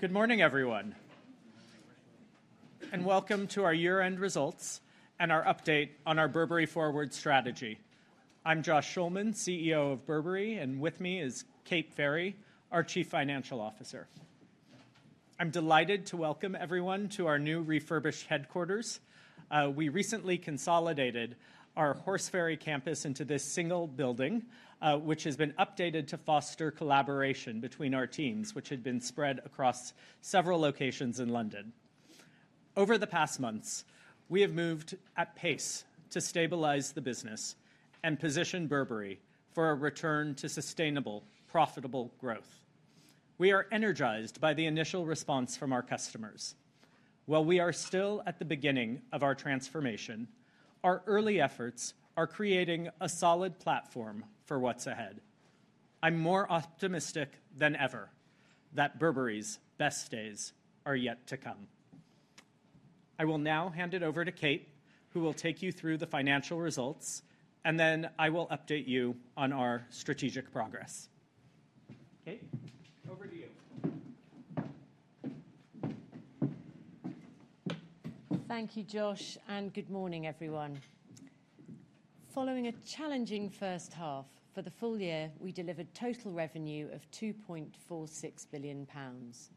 Good morning, everyone. Welcome to our year-end results and our update on our Burberry Forward strategy. I'm Josh Schulman, CEO of Burberry, and with me is Kate Ferry, our Chief Financial Officer. I'm delighted to welcome everyone to our new refurbished headquarters. We recently consolidated our Horse Ferry campus into this single building, which has been updated to foster collaboration between our teams, which had been spread across several locations in London. Over the past months, we have moved at pace to stabilize the business and position Burberry for a return to sustainable, profitable growth. We are energized by the initial response from our customers. While we are still at the beginning of our transformation, our early efforts are creating a solid platform for what's ahead. I'm more optimistic than ever that Burberry's best days are yet to come. I will now hand it over to Kate, who will take you through the financial results, and then I will update you on our strategic progress. Kate, over to you. Thank you, Josh, and good morning, everyone. Following a challenging first half, for the full year, we delivered total revenue of 2.46 billion pounds.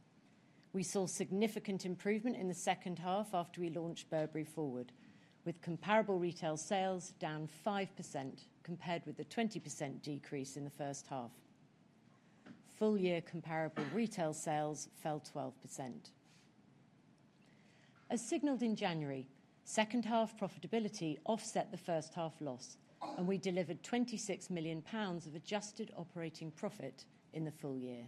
We saw significant improvement in the second half after we launched Burberry Forward, with comparable retail sales down 5% compared with the 20% decrease in the first half. Full-year comparable retail sales fell 12%. As signaled in January, second-half profitability offset the first-half loss, and we delivered 26 million pounds of adjusted operating profit in the full year.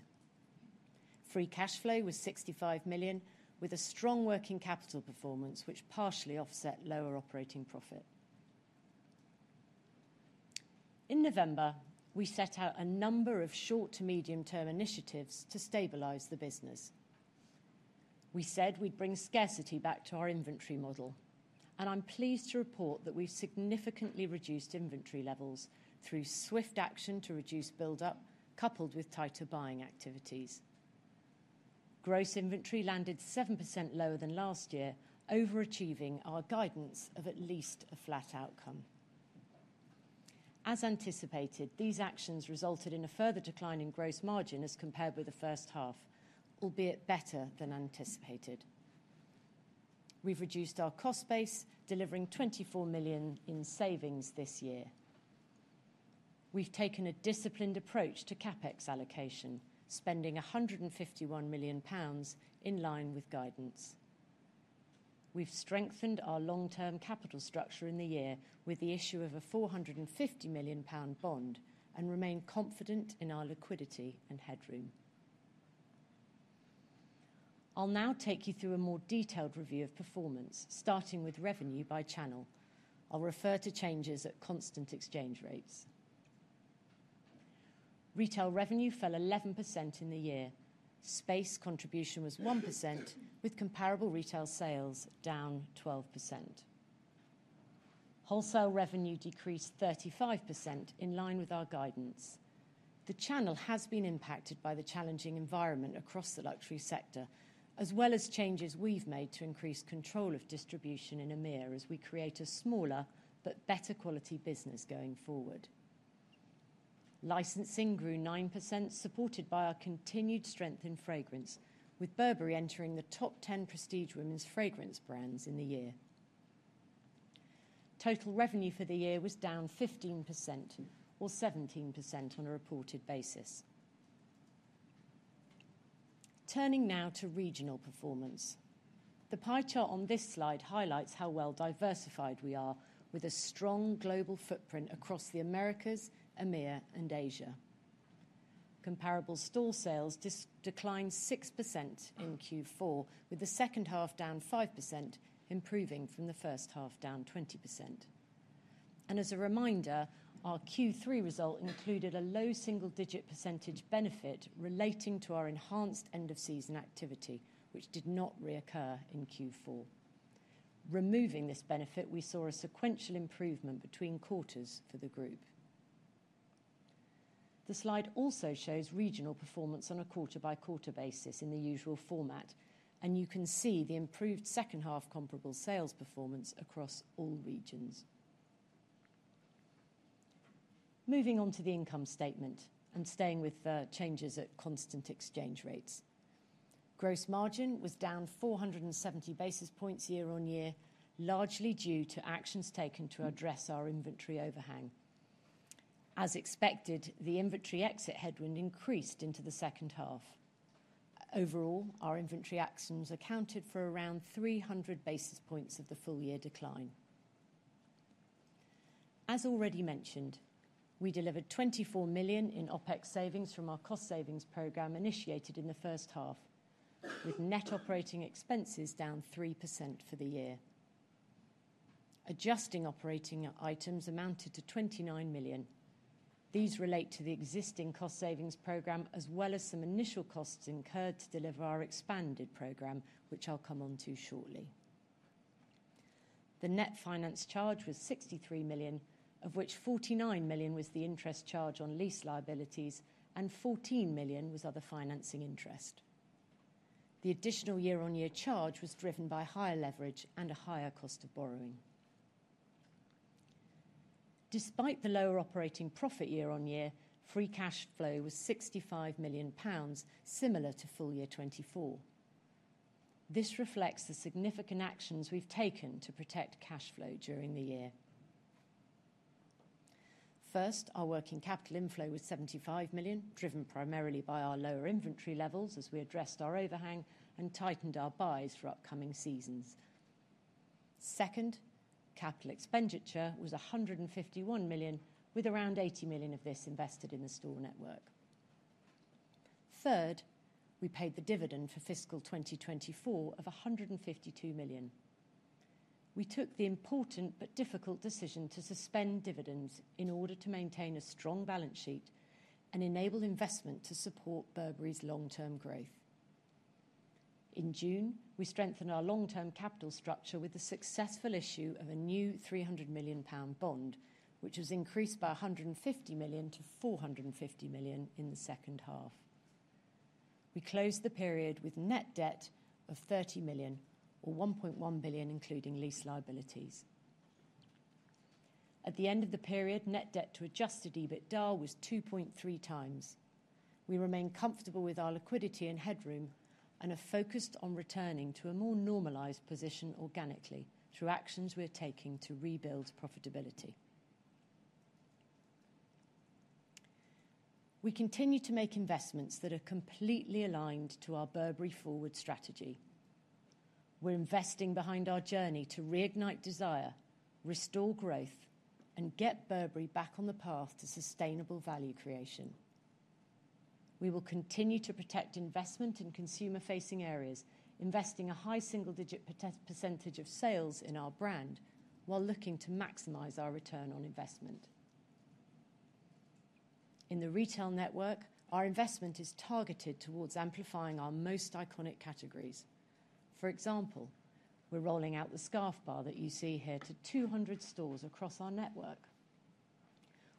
Free cash flow was 65 million, with a strong working capital performance, which partially offset lower operating profit. In November, we set out a number of short- to medium-term initiatives to stabilize the business. We said we'd bring scarcity back to our inventory model, and I'm pleased to report that we've significantly reduced inventory levels through swift action to reduce build-up, coupled with tighter buying activities. Gross inventory landed 7% lower than last year, overachieving our guidance of at least a flat outcome. As anticipated, these actions resulted in a further decline in gross margin as compared with the first half, albeit better than anticipated. We've reduced our cost base, delivering 24 million in savings this year. We've taken a disciplined approach to CapEx allocation, spending 151 million pounds in line with guidance. We've strengthened our long-term capital structure in the year with the issue of a 450 million pound bond and remain confident in our liquidity and headroom. I'll now take you through a more detailed review of performance, starting with revenue by channel. I'll refer to changes at constant exchange rates. Retail revenue fell 11% in the year. Space contribution was 1%, with comparable retail sales down 12%. Wholesale revenue decreased 35% in line with our guidance. The channel has been impacted by the challenging environment across the luxury sector, as well as changes we've made to increase control of distribution in EMEA as we create a smaller but better-quality business going forward. Licensing grew 9%, supported by our continued strength in fragrance, with Burberry entering the top 10 prestige women's fragrance brands in the year. Total revenue for the year was down 15%, or 17% on a reported basis. Turning now to regional performance, the pie chart on this slide highlights how well diversified we are, with a strong global footprint across the Americas, EMEA, and Asia. Comparable store sales declined 6% in Q4, with the second half down 5%, improving from the first half down 20%. As a reminder, our Q3 result included a low single-digit % benefit relating to our enhanced end-of-season activity, which did not reoccur in Q4. Removing this benefit, we saw a sequential improvement between quarters for the group. The slide also shows regional performance on a quarter-by-quarter basis in the usual format, and you can see the improved second-half comparable sales performance across all regions. Moving on to the income statement and staying with changes at constant exchange rates. Gross margin was down 470 basis points year on year, largely due to actions taken to address our inventory overhang. As expected, the inventory exit headwind increased into the second half. Overall, our inventory actions accounted for around 300 basis points of the full-year decline. As already mentioned, we delivered 24 million in OpEx savings from our cost savings program initiated in the first half, with net operating expenses down 3% for the year. Adjusting operating items amounted to 29 million. These relate to the existing cost savings program, as well as some initial costs incurred to deliver our expanded program, which I'll come on to shortly. The net finance charge was 63 million, of which 49 million was the interest charge on lease liabilities, and 14 million was other financing interest. The additional year-on-year charge was driven by higher leverage and a higher cost of borrowing. Despite the lower operating profit year-on-year, free cash flow was 65 million pounds, similar to full-year 2024. This reflects the significant actions we've taken to protect cash flow during the year. First, our working capital inflow was 75 million, driven primarily by our lower inventory levels as we addressed our overhang and tightened our buys for upcoming seasons. Second, capital expenditure was 151 million, with around 80 million of this invested in the store network. Third, we paid the dividend for fiscal 2024 of 152 million. We took the important but difficult decision to suspend dividends in order to maintain a strong balance sheet and enable investment to support Burberry's long-term growth. In June, we strengthened our long-term capital structure with the successful issue of a new 300 million pound bond, which was increased by 150 million to 450 million in the second half. We closed the period with net debt of 30 million, or 1.1 billion including lease liabilities. At the end of the period, net debt to adjusted EBITDA was 2.3 times. We remain comfortable with our liquidity and headroom and are focused on returning to a more normalized position organically through actions we are taking to rebuild profitability. We continue to make investments that are completely aligned to our Burberry Forward strategy. We're investing behind our journey to reignite desire, restore growth, and get Burberry back on the path to sustainable value creation. We will continue to protect investment in consumer-facing areas, investing a high single-digit % of sales in our brand while looking to maximize our return on investment. In the retail network, our investment is targeted towards amplifying our most iconic categories. For example, we're rolling out the scarf bar that you see here to 200 stores across our network.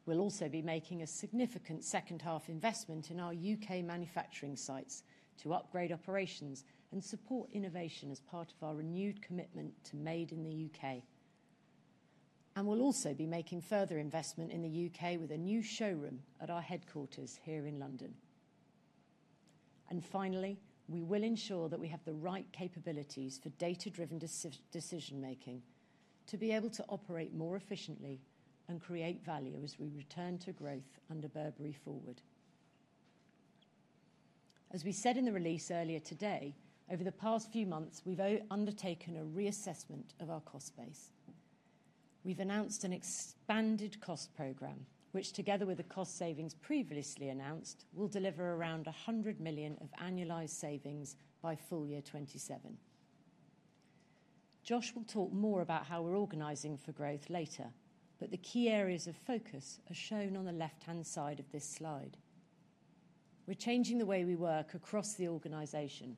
We'll also be making a significant second-half investment in our U.K. manufacturing sites to upgrade operations and support innovation as part of our renewed commitment to Made in the U.K. We will also be making further investment in the U.K. with a new showroom at our headquarters here in London. Finally, we will ensure that we have the right capabilities for data-driven decision-making to be able to operate more efficiently and create value as we return to growth under Burberry Forward. As we said in the release earlier today, over the past few months, we have undertaken a reassessment of our cost base. We have announced an expanded cost program, which, together with the cost savings previously announced, will deliver around 100 million of annualized savings by full-year 2027. Josh will talk more about how we are organizing for growth later, but the key areas of focus are shown on the left-hand side of this slide. We are changing the way we work across the organization.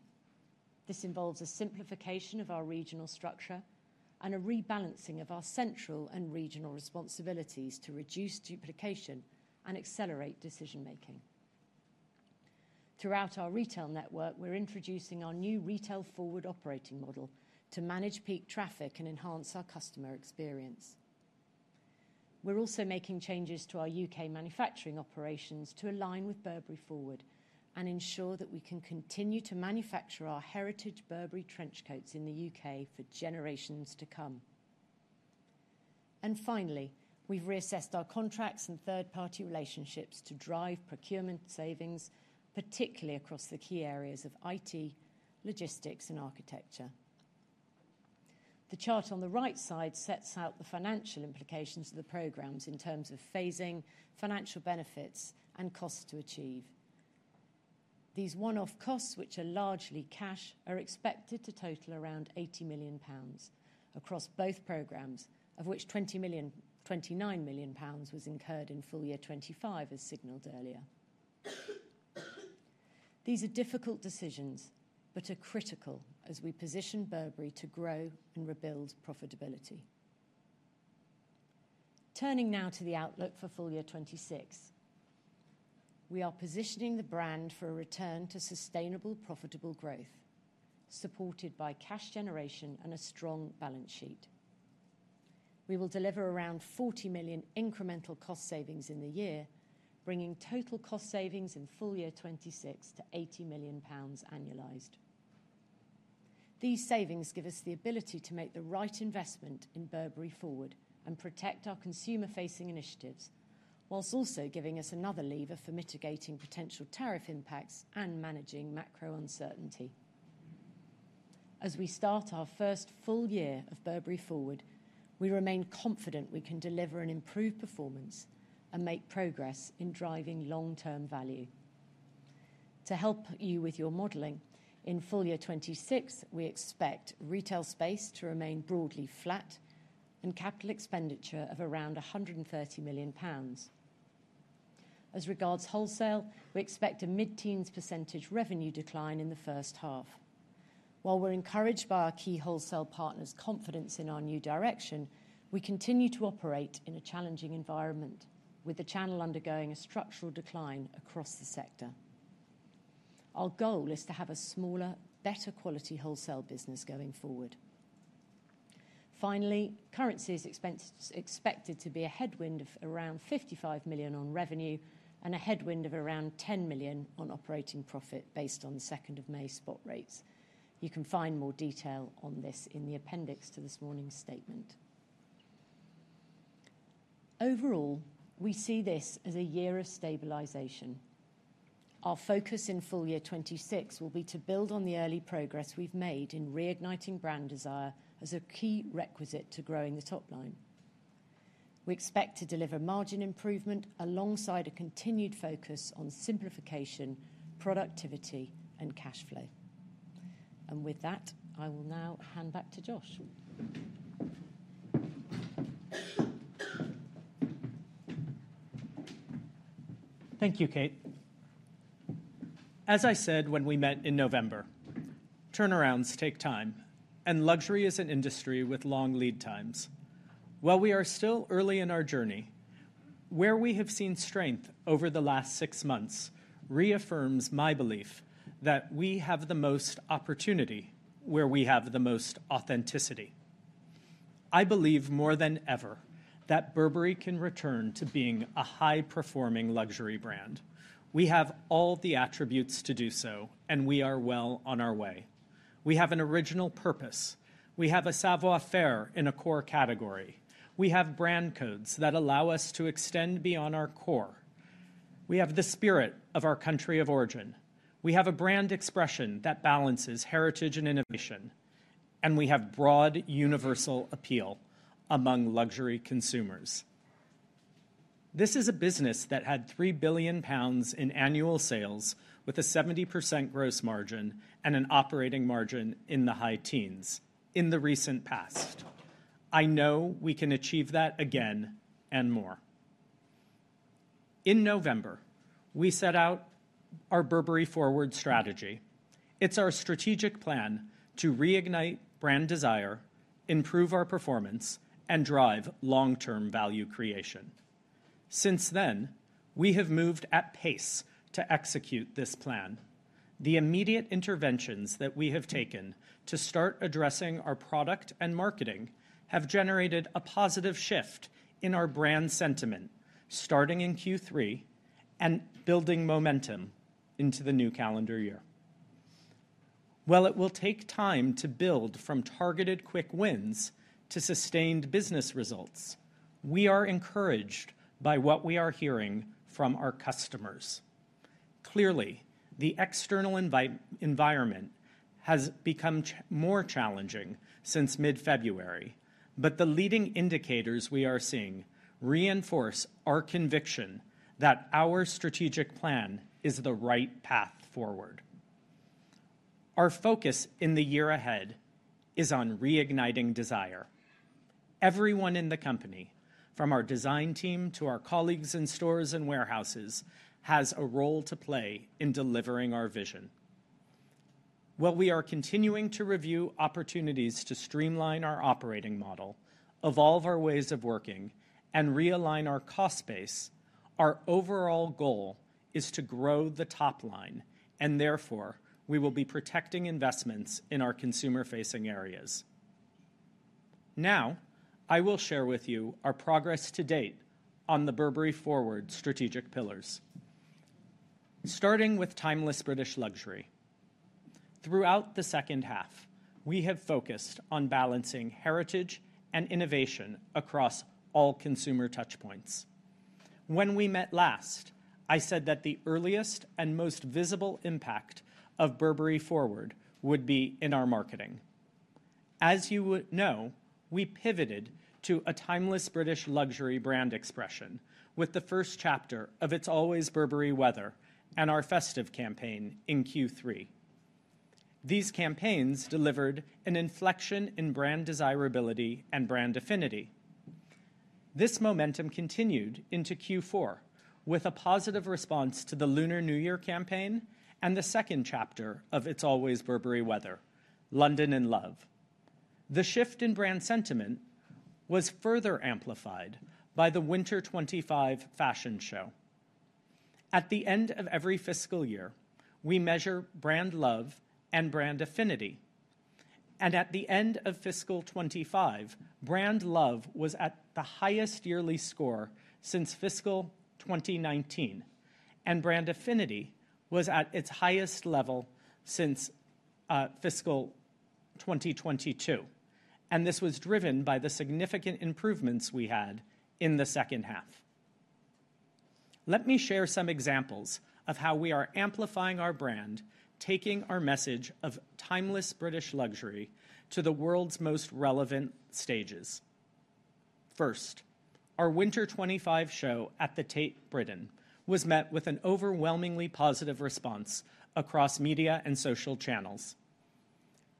This involves a simplification of our regional structure and a rebalancing of our central and regional responsibilities to reduce duplication and accelerate decision-making. Throughout our retail network, we're introducing our new retail forward operating model to manage peak traffic and enhance our customer experience. We're also making changes to our U.K. manufacturing operations to align with Burberry Forward and ensure that we can continue to manufacture our heritage Burberry trench coats in the U.K. for generations to come. Finally, we've reassessed our contracts and third-party relationships to drive procurement savings, particularly across the key areas of IT, logistics, and architecture. The chart on the right side sets out the financial implications of the programs in terms of phasing, financial benefits, and costs to achieve. These one-off costs, which are largely cash, are expected to total around 80 million pounds across both programs, of which 29 million pounds was incurred in full-year 2025, as signaled earlier. These are difficult decisions, but are critical as we position Burberry to grow and rebuild profitability. Turning now to the outlook for full-year 2026, we are positioning the brand for a return to sustainable, profitable growth, supported by cash generation and a strong balance sheet. We will deliver around 40 million incremental cost savings in the year, bringing total cost savings in full-year 2026 to 80 million pounds annualized. These savings give us the ability to make the right investment in Burberry Forward and protect our consumer-facing initiatives, whilst also giving us another lever for mitigating potential tariff impacts and managing macro uncertainty. As we start our first full year of Burberry Forward, we remain confident we can deliver an improved performance and make progress in driving long-term value. To help you with your modeling, in full-year 2026, we expect retail space to remain broadly flat and capital expenditure of around 130 million pounds. As regards wholesale, we expect a mid-teens % revenue decline in the first half. While we're encouraged by our key wholesale partners' confidence in our new direction, we continue to operate in a challenging environment, with the channel undergoing a structural decline across the sector. Our goal is to have a smaller, better-quality wholesale business going forward. Finally, currency is expected to be a headwind of around 55 million on revenue and a headwind of around 10 million on operating profit based on the 2nd of May spot rates. You can find more detail on this in the appendix to this morning's statement. Overall, we see this as a year of stabilization. Our focus in full-year 2026 will be to build on the early progress we've made in reigniting brand desire as a key requisite to growing the top line. We expect to deliver margin improvement alongside a continued focus on simplification, productivity, and cash flow. With that, I will now hand back to Josh. Thank you, Kate. As I said when we met in November, turnarounds take time, and luxury is an industry with long lead times. While we are still early in our journey, where we have seen strength over the last six months reaffirms my belief that we have the most opportunity where we have the most authenticity. I believe more than ever that Burberry can return to being a high-performing luxury brand. We have all the attributes to do so, and we are well on our way. We have an original purpose. We have a savoir-faire in a core category. We have brand codes that allow us to extend beyond our core. We have the spirit of our country of origin. We have a brand expression that balances heritage and innovation, and we have broad universal appeal among luxury consumers. This is a business that had 3 billion pounds in annual sales with a 70% gross margin and an operating margin in the high teens in the recent past. I know we can achieve that again and more. In November, we set out our Burberry Forward strategy. It's our strategic plan to reignite brand desire, improve our performance, and drive long-term value creation. Since then, we have moved at pace to execute this plan. The immediate interventions that we have taken to start addressing our product and marketing have generated a positive shift in our brand sentiment starting in Q3 and building momentum into the new calendar year. While it will take time to build from targeted quick wins to sustained business results, we are encouraged by what we are hearing from our customers. Clearly, the external environment has become more challenging since mid-February, but the leading indicators we are seeing reinforce our conviction that our strategic plan is the right path forward. Our focus in the year ahead is on reigniting desire. Everyone in the company, from our design team to our colleagues in stores and warehouses, has a role to play in delivering our vision. While we are continuing to review opportunities to streamline our operating model, evolve our ways of working, and realign our cost base, our overall goal is to grow the top line, and therefore we will be protecting investments in our consumer-facing areas. Now, I will share with you our progress to date on the Burberry Forward strategic pillars, starting with Timeless British Luxury. Throughout the second half, we have focused on balancing heritage and innovation across all consumer touchpoints. When we met last, I said that the earliest and most visible impact of Burberry Forward would be in our marketing. As you know, we pivoted to a Timeless British Luxury brand expression with the first chapter of It's Always Burberry Weather and our festive campaign in Q3. These campaigns delivered an inflection in brand desirability and brand affinity. This momentum continued into Q4 with a positive response to the Lunar New Year campaign and the second chapter of It's Always Burberry Weather, London in Love. The shift in brand sentiment was further amplified by the Winter '25 fashion show. At the end of every fiscal year, we measure brand love and brand affinity. At the end of fiscal 2025, brand love was at the highest yearly score since fiscal 2019, and brand affinity was at its highest level since fiscal 2022. This was driven by the significant improvements we had in the second half. Let me share some examples of how we are amplifying our brand, taking our message of Timeless British Luxury to the world's most relevant stages. First, our Winter 2025 show at the Tate Britain was met with an overwhelmingly positive response across media and social channels,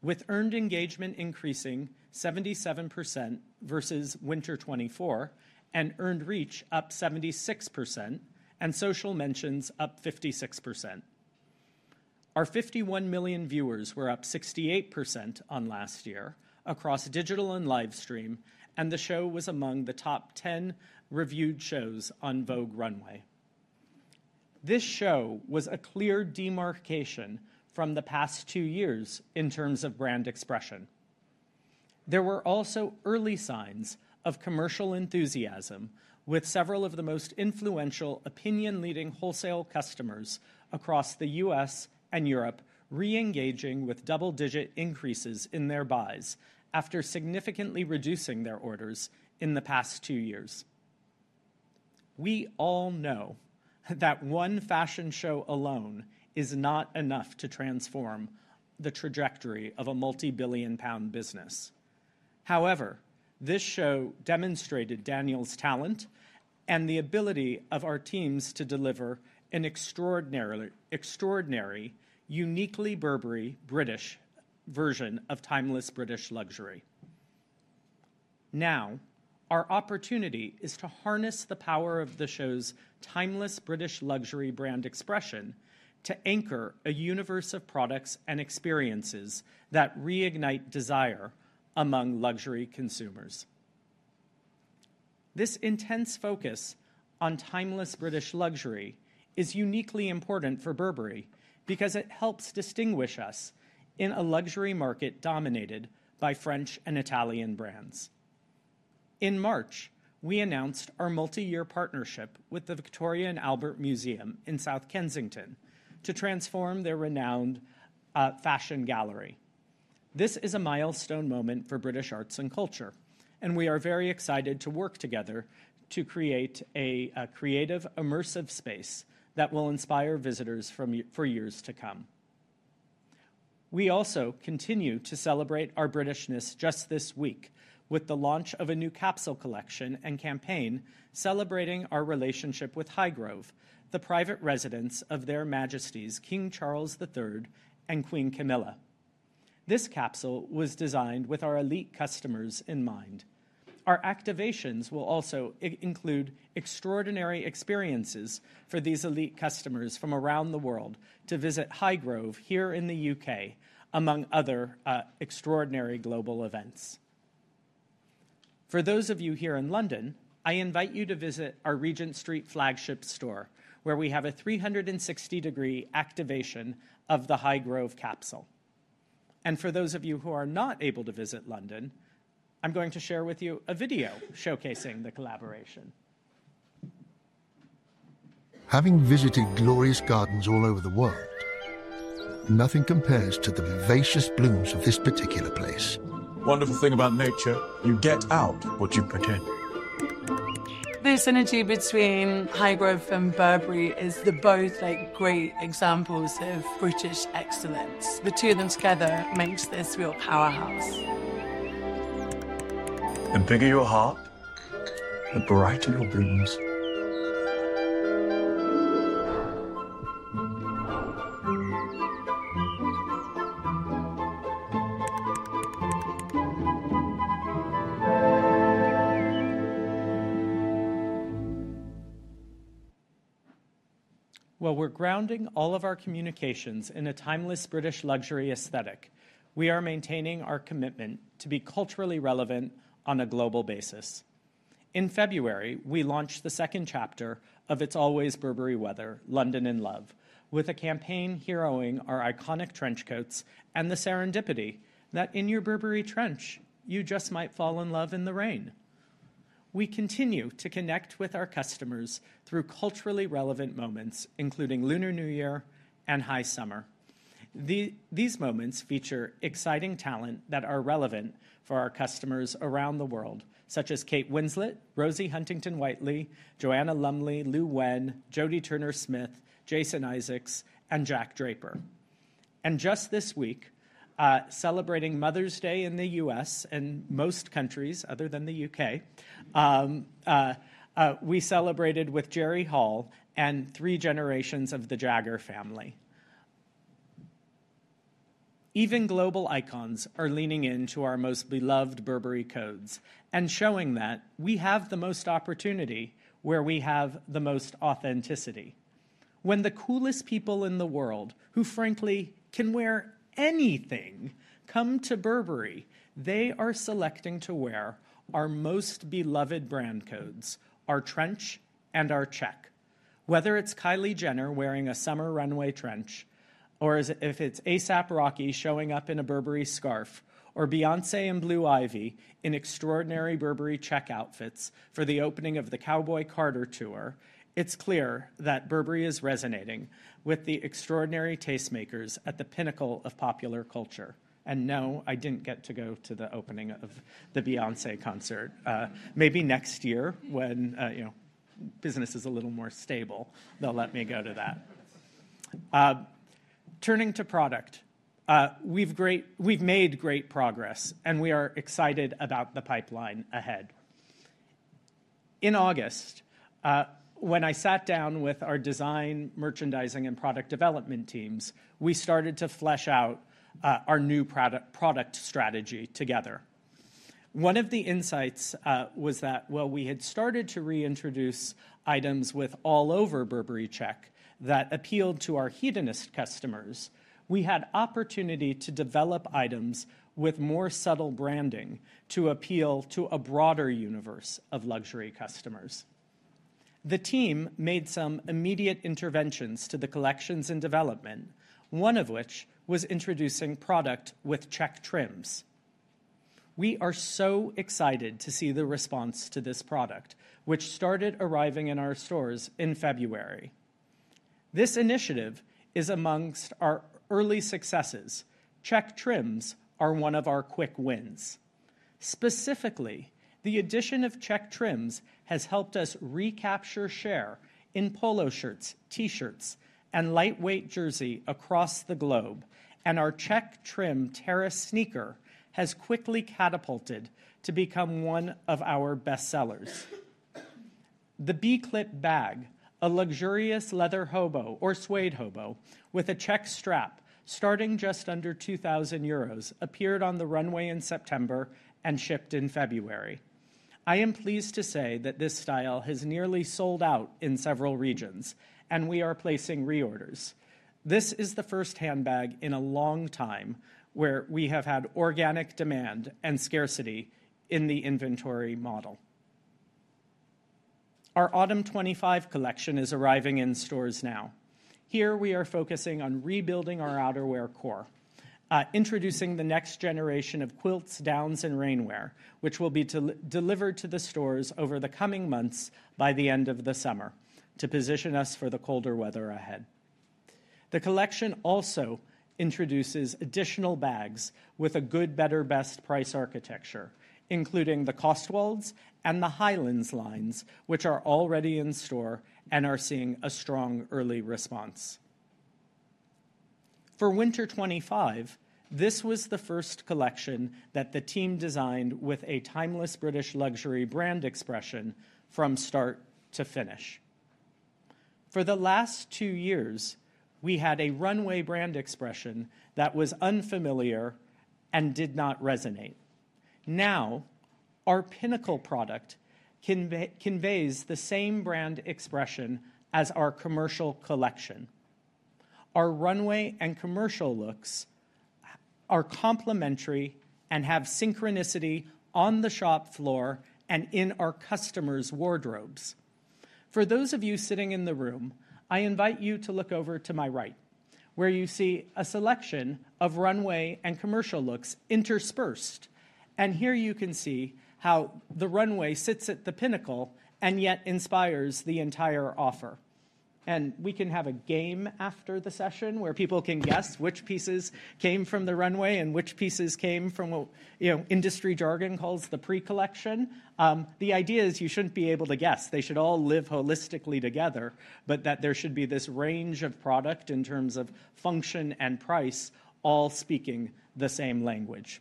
with earned engagement increasing 77% versus Winter 2024 and earned reach up 76% and social mentions up 56%. Our 51 million viewers were up 68% on last year across digital and live stream, and the show was among the top 10 reviewed shows on Vogue Runway. This show was a clear demarcation from the past two years in terms of brand expression. There were also early signs of commercial enthusiasm, with several of the most influential opinion-leading wholesale customers across the U.S. and Europe re-engaging with double-digit increases in their buys after significantly reducing their orders in the past two years. We all know that one fashion show alone is not enough to transform the trajectory of a multi-billion-pound business. However, this show demonstrated Daniel Lee's talent and the ability of our teams to deliver an extraordinary, uniquely Burberry British version of Timeless British Luxury. Now, our opportunity is to harness the power of the show's Timeless British Luxury brand expression to anchor a universe of products and experiences that reignite desire among luxury consumers. This intense focus on Timeless British Luxury is uniquely important for Burberry because it helps distinguish us in a luxury market dominated by French and Italian brands. In March, we announced our multi-year partnership with the Victoria and Albert Museum in South Kensington to transform their renowned fashion gallery. This is a milestone moment for British arts and culture, and we are very excited to work together to create a creative, immersive space that will inspire visitors for years to come. We also continue to celebrate our Britishness just this week with the launch of a new capsule collection and campaign celebrating our relationship with Highgrove, the private residence of Their Majesties King Charles III and Queen Camilla. This capsule was designed with our elite customers in mind. Our activations will also include extraordinary experiences for these elite customers from around the world to visit Highgrove here in the U.K., among other extraordinary global events. For those of you here in London, I invite you to visit our Regent Street flagship store, where we have a 360-degree activation of the Highgrove capsule. For those of you who are not able to visit London, I'm going to share with you a video showcasing the collaboration. Having visited glorious gardens all over the world, nothing compares to the vivacious blooms of this particular place. Wonderful thing about nature, you get out what you pretend. The synergy between Highgrove and Burberry is they're both great examples of British excellence. The two of them together makes this real powerhouse. Pick your heart, and brighten your blooms. While we're grounding all of our communications in a Timeless British Luxury aesthetic, we are maintaining our commitment to be culturally relevant on a global basis. In February, we launched the second chapter of It's Always Burberry Weather, London in Love, with a campaign heroing our iconic trench coats and the serendipity that in your Burberry trench, you just might fall in love in the rain. We continue to connect with our customers through culturally relevant moments, including Lunar New Year and High Summer. These moments feature exciting talent that are relevant for our customers around the world, such as Kate Winslet, Rosie Huntington-Whiteley, Joanna Lumley, Liu Wen, Jodie Turner-Smith, Jason Isaacs, and Jack Draper. Just this week, celebrating Mother's Day in the U.S. and most countries other than the UK, we celebrated with Jerry Hall and three generations of the Jagger family. Even global icons are leaning into our most beloved Burberry codes and showing that we have the most opportunity where we have the most authenticity. When the coolest people in the world, who frankly can wear anything, come to Burberry, they are selecting to wear our most beloved brand codes, our trench and our check. Whether it's Kylie Jenner wearing a summer runway trench, or if it's ASAP Rocky showing up in a Burberry scarf, or Beyoncé and Blue Ivy in extraordinary Burberry check outfits for the opening of the Cowboy Carter tour, it's clear that Burberry is resonating with the extraordinary tastemakers at the pinnacle of popular culture. No, I didn't get to go to the opening of the Beyoncé concert. Maybe next year, when business is a little more stable, they'll let me go to that. Turning to product, we've made great progress, and we are excited about the pipeline ahead. In August, when I sat down with our design, merchandising, and product development teams, we started to flesh out our new product strategy together. One of the insights was that while we had started to reintroduce items with all-over Burberry check that appealed to our hedonist customers, we had opportunity to develop items with more subtle branding to appeal to a broader universe of luxury customers. The team made some immediate interventions to the collections and development, one of which was introducing product with check trims. We are so excited to see the response to this product, which started arriving in our stores in February. This initiative is amongst our early successes. Check trims are one of our quick wins. Specifically, the addition of check trims has helped us recapture share in polo shirts, T-shirts, and lightweight jersey across the globe, and our check trim terrace sneaker has quickly catapulted to become one of our best sellers. The B-Clip bag, a luxurious leather Hobo or suede Hobo with a check strap starting just under 2,000 euros, appeared on the runway in September and shipped in February. I am pleased to say that this style has nearly sold out in several regions, and we are placing reorders. This is the first handbag in a long time where we have had organic demand and scarcity in the inventory model. Our Autumn 2025 collection is arriving in stores now. Here we are focusing on rebuilding our outerwear core, introducing the next generation of quilts, gowns, and rainwear, which will be delivered to the stores over the coming months by the end of the summer to position us for the colder weather ahead. The collection also introduces additional bags with a good, better, best price architecture, including the Highlands line, which are already in store and are seeing a strong early response. For Winter 2025, this was the first collection that the team designed with a Timeless British Luxury brand expression from start to finish. For the last two years, we had a runway brand expression that was unfamiliar and did not resonate. Now, our pinnacle product conveys the same brand expression as our commercial collection. Our runway and commercial looks are complementary and have synchronicity on the shop floor and in our customers' wardrobes. For those of you sitting in the room, I invite you to look over to my right, where you see a selection of runway and commercial looks interspersed. Here you can see how the runway sits at the pinnacle and yet inspires the entire offer. We can have a game after the session where people can guess which pieces came from the runway and which pieces came from what industry jargon calls the pre-collection. The idea is you should not be able to guess. They should all live holistically together, but there should be this range of product in terms of function and price, all speaking the same language.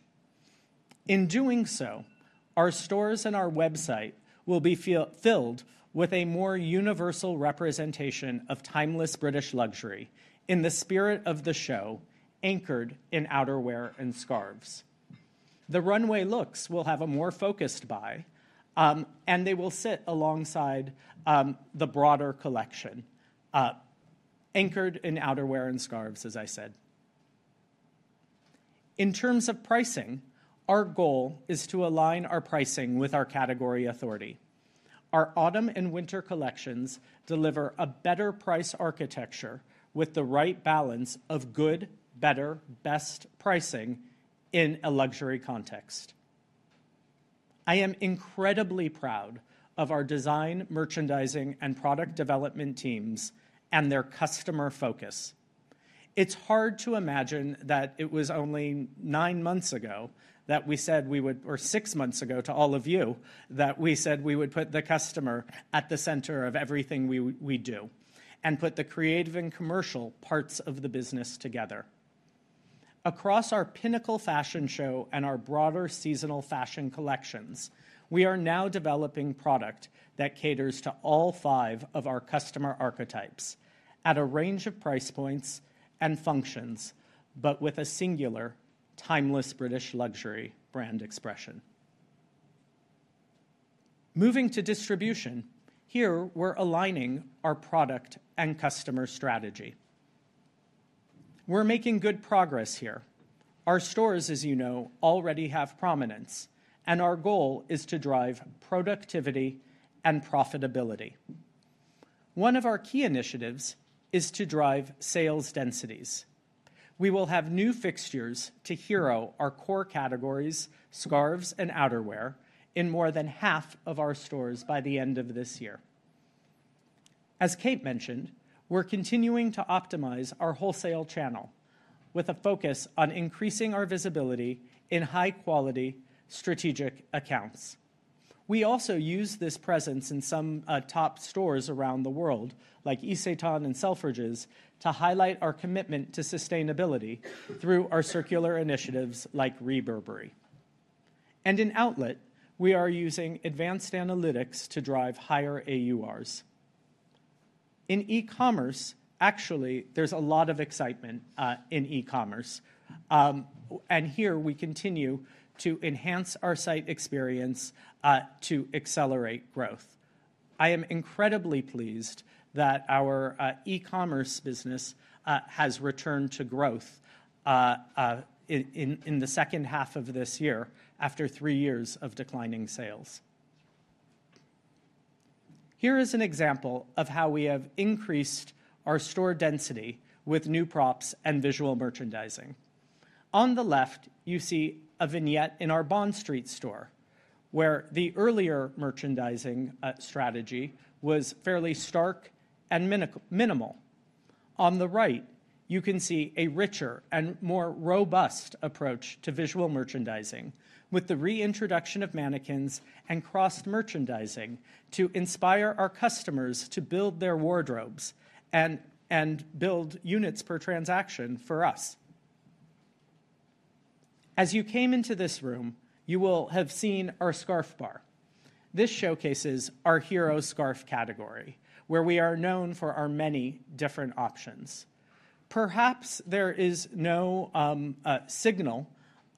In doing so, our stores and our website will be filled with a more universal representation of Timeless British Luxury in the spirit of the show anchored in outerwear and scarves. The runway looks will have a more focused buy, and they will sit alongside the broader collection anchored in outerwear and scarves, as I said. In terms of pricing, our goal is to align our pricing with our category authority. Our Autumn and Winter collections deliver a better price architecture with the right balance of good, better, best pricing in a luxury context. I am incredibly proud of our design, merchandising, and product development teams and their customer focus. It's hard to imagine that it was only nine months ago that we said we would, or six months ago to all of you, that we said we would put the customer at the center of everything we do and put the creative and commercial parts of the business together. Across our pinnacle fashion show and our broader seasonal fashion collections, we are now developing product that caters to all five of our customer archetypes at a range of price points and functions, but with a singular Timeless British Luxury brand expression. Moving to distribution, here we are aligning our product and customer strategy. We are making good progress here. Our stores, as you know, already have prominence, and our goal is to drive productivity and profitability. One of our key initiatives is to drive sales densities. We will have new fixtures to hero our core categories, scarves and outerwear, in more than half of our stores by the end of this year. As Kate mentioned, we are continuing to optimize our wholesale channel with a focus on increasing our visibility in high-quality strategic accounts. We also use this presence in some top stores around the world, like Isetan and Selfridges, to highlight our commitment to sustainability through our circular initiatives like REBURBERY. In Outlet, we are using advanced analytics to drive higher AURs. In e-commerce, actually, there is a lot of excitement in e-commerce. Here we continue to enhance our site experience to accelerate growth. I am incredibly pleased that our e-commerce business has returned to growth in the second half of this year after three years of declining sales. Here is an example of how we have increased our store density with new props and visual merchandising. On the left, you see a vignette in our Bond Street store, where the earlier merchandising strategy was fairly stark and minimal. On the right, you can see a richer and more robust approach to visual merchandising with the reintroduction of mannequins and cross-merchandising to inspire our customers to build their wardrobes and build units per transaction for us. As you came into this room, you will have seen our scarf bar. This showcases our hero scarf category, where we are known for our many different options. Perhaps there is no signal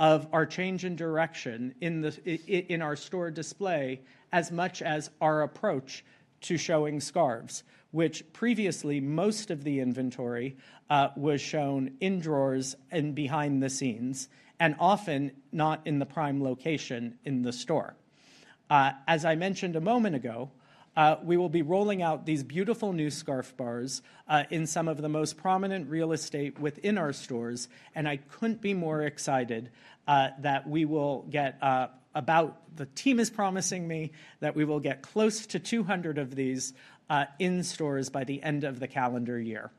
of our change in direction in our store display as much as our approach to showing scarves, which previously most of the inventory was shown in drawers and behind the scenes, and often not in the prime location in the store. As I mentioned a moment ago, we will be rolling out these beautiful new scarf bars in some of the most prominent real estate within our stores, and I could not be more excited that we will get about, the team is promising me that we will get close to 200 of these in stores by the end of the calendar year.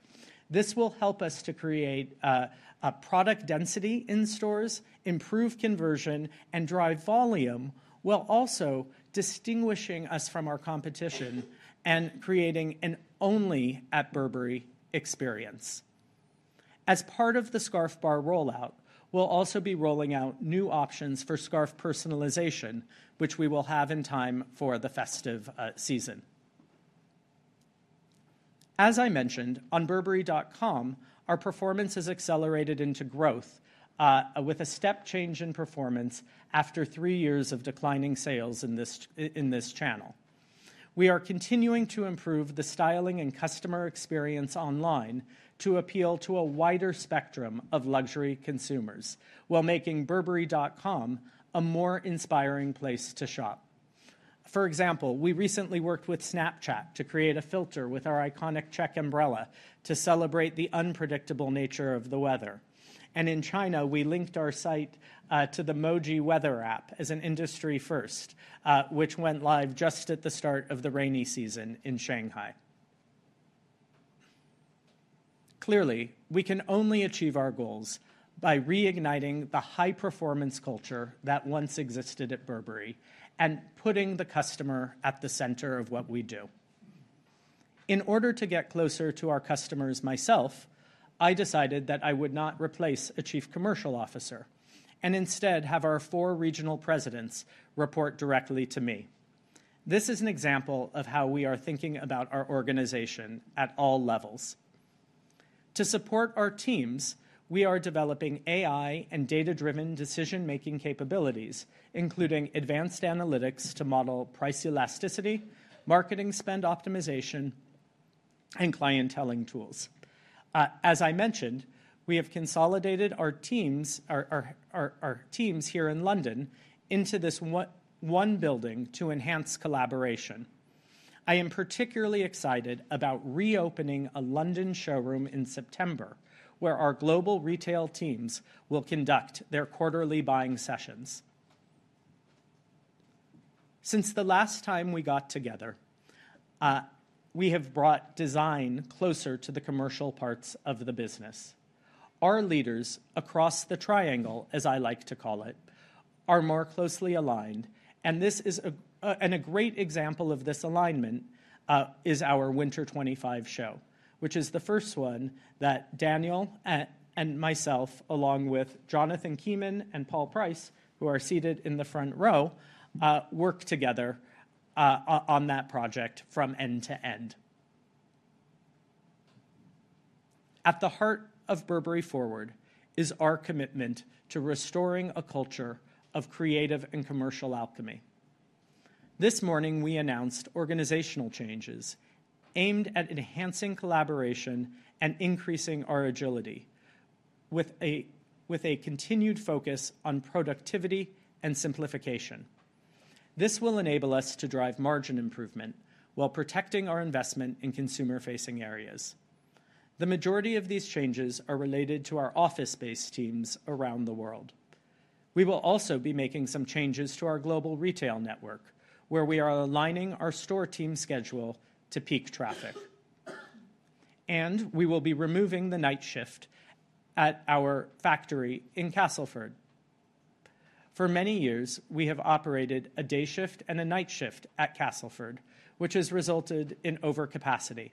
This will help us to create a product density in stores, improve conversion, and drive volume, while also distinguishing us from our competition and creating an only at Burberry experience. As part of the scarf bar rollout, we will also be rolling out new options for scarf personalization, which we will have in time for the festive season. As I mentioned, on Burberry.com, our performance has accelerated into growth with a step change in performance after three years of declining sales in this channel. We are continuing to improve the styling and customer experience online to appeal to a wider spectrum of luxury consumers while making Burberry.com a more inspiring place to shop. For example, we recently worked with Snapchat to create a filter with our iconic check umbrella to celebrate the unpredictable nature of the weather. In China, we linked our site to the Moji Weather app as an industry first, which went live just at the start of the rainy season in Shanghai. Clearly, we can only achieve our goals by reigniting the high-performance culture that once existed at Burberry and putting the customer at the center of what we do. In order to get closer to our customers myself, I decided that I would not replace a Chief Commercial Officer and instead have our four regional presidents report directly to me. This is an example of how we are thinking about our organization at all levels. To support our teams, we are developing AI and data-driven decision-making capabilities, including advanced analytics to model price elasticity, marketing spend optimization, and clientele tools. As I mentioned, we have consolidated our teams here in London into this one building to enhance collaboration. I am particularly excited about reopening a London showroom in September where our global retail teams will conduct their quarterly buying sessions. Since the last time we got together, we have brought design closer to the commercial parts of the business. Our leaders across the triangle, as I like to call it, are more closely aligned, and this is a great example of this alignment is our Winter 2025 show, which is the first one that Daniel and myself, along with Jonathan Akeroyd and Paul Price, who are seated in the front row, worked together on that project from end to end. At the heart of Burberry Forward is our commitment to restoring a culture of creative and commercial alchemy. This morning, we announced organizational changes aimed at enhancing collaboration and increasing our agility with a continued focus on productivity and simplification. This will enable us to drive margin improvement while protecting our investment in consumer-facing areas. The majority of these changes are related to our office-based teams around the world. We will also be making some changes to our global retail network, where we are aligning our store team schedule to peak traffic. We will be removing the night shift at our factory in Castleford. For many years, we have operated a day shift and a night shift at Castleford, which has resulted in overcapacity.